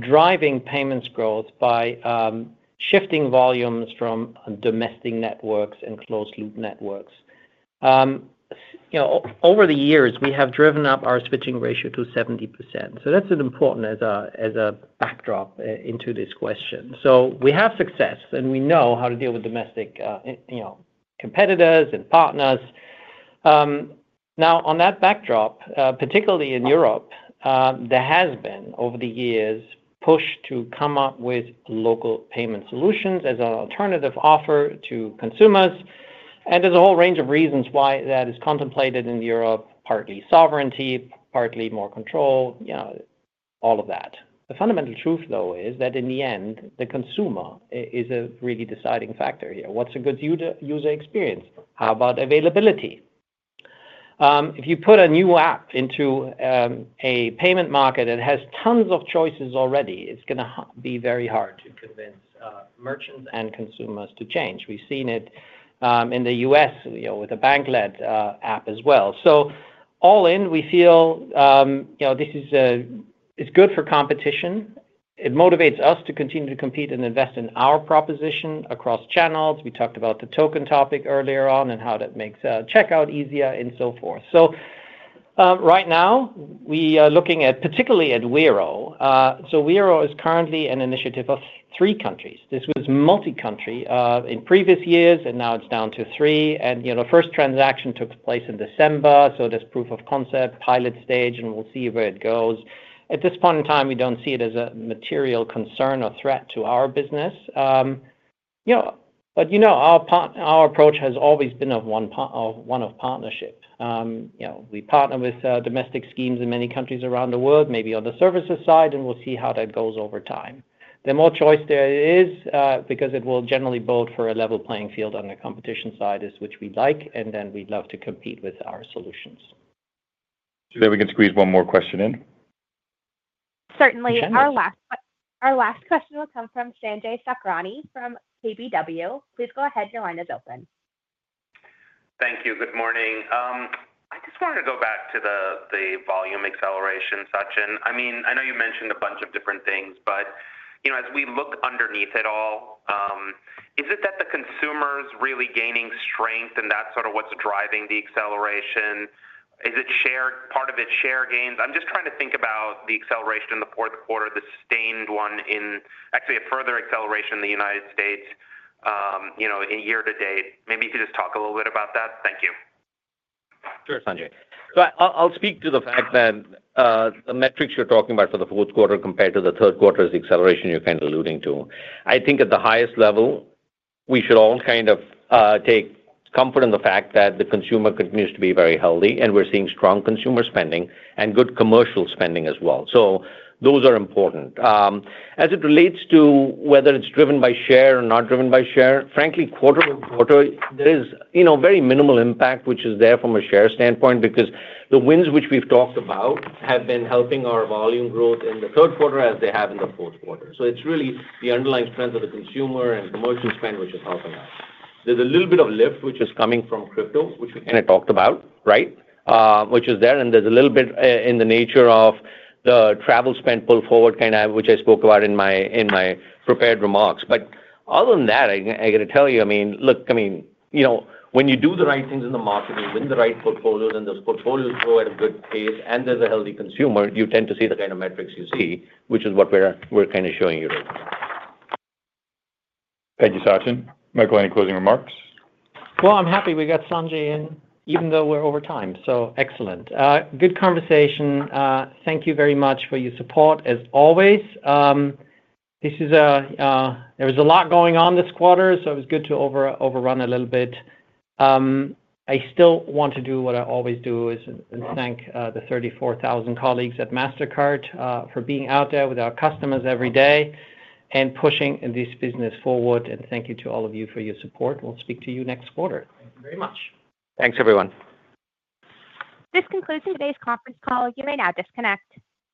driving payments growth by shifting volumes from domestic networks and closed-loop networks. Over the years, we have driven up our switching ratio to 70%. So that's an important as a backdrop into this question. So we have success, and we know how to deal with domestic competitors and partners. Now, on that backdrop, particularly in Europe, there has been, over the years, push to come up with local payment solutions as an alternative offer to consumers. And there's a whole range of reasons why that is contemplated in Europe, partly sovereignty, partly more control, all of that. The fundamental truth, though, is that in the end, the consumer is a really deciding factor here. What's a good user experience? How about availability? If you put a new app into a payment market that has tons of choices already, it's going to be very hard to convince merchants and consumers to change. We've seen it in the U.S. with a bank-led app as well. So all in, we feel this is good for competition. It motivates us to continue to compete and invest in our proposition across channels. We talked about the token topic earlier on and how that makes checkout easier and so forth. So right now, we are looking particularly at Wero. So Wero is currently an initiative of three countries. This was multi-country in previous years, and now it's down to three. And the first transaction took place in December. So there's proof of concept, pilot stage, and we'll see where it goes. At this point in time, we don't see it as a material concern or threat to our business. But our approach has always been one of partnership. We partner with domestic schemes in many countries around the world, maybe on the services side, and we'll see how that goes over time. The more choice there is, because it will generally build for a level playing field on the competition side, is which we like, and then we'd love to compete with our solutions. So then we can squeeze one more question in? Certainly. Our last question will come from Sanjay Sakhrani from KBW. Please go ahead. Your line is open. Thank you. Good morning. I just wanted to go back to the volume acceleration, Sachin. I mean, I know you mentioned a bunch of different things, but as we look underneath it all, is it that the consumer's really gaining strength, and that's sort of what's driving the acceleration? Is it part of its share gains? I'm just trying to think about the acceleration in the fourth quarter, the sustained one in actually a further acceleration in the United States year to date. Maybe you could just talk a little bit about that. Thank you. Sure, Sanjay. So I'll speak to the fact that the metrics you're talking about for the fourth quarter compared to the third quarter is the acceleration you're kind of alluding to. I think at the highest level, we should all kind of take comfort in the fact that the consumer continues to be very healthy, and we're seeing strong consumer spending and good commercial spending as well. So those are important. As it relates to whether it's driven by share or not driven by share, frankly, quarter to quarter, there is very minimal impact, which is there from a share standpoint, because the wins which we've talked about have been helping our volume growth in the third quarter as they have in the fourth quarter. So it's really the underlying strength of the consumer and commercial spend, which is helping us. There's a little bit of lift, which is coming from crypto, which we kind of talked about, right? Which is there, and there's a little bit in the nature of the travel spend pull forward, kind of which I spoke about in my prepared remarks. But other than that, I got to tell you, I mean, look, I mean, when you do the right things in the market, you win the right portfolios, and those portfolios grow at a good pace, and there's a healthy consumer, you tend to see the kind of metrics you see, which is what we're kind of showing you right now. Thank you, Sachin. Michael, any closing remarks? Well, I'm happy we got Sanjay in, even though we're over time. So excellent. Good conversation. Thank you very much for your support, as always. There was a lot going on this quarter, so it was good to overrun a little bit. I still want to do what I always do, and thank the 34,000 colleagues at Mastercard for being out there with our customers every day and pushing this business forward. And thank you to all of you for your support. We'll speak to you next quarter. Thank you very much. Thanks, everyone. This concludes today's conference call. You may now disconnect.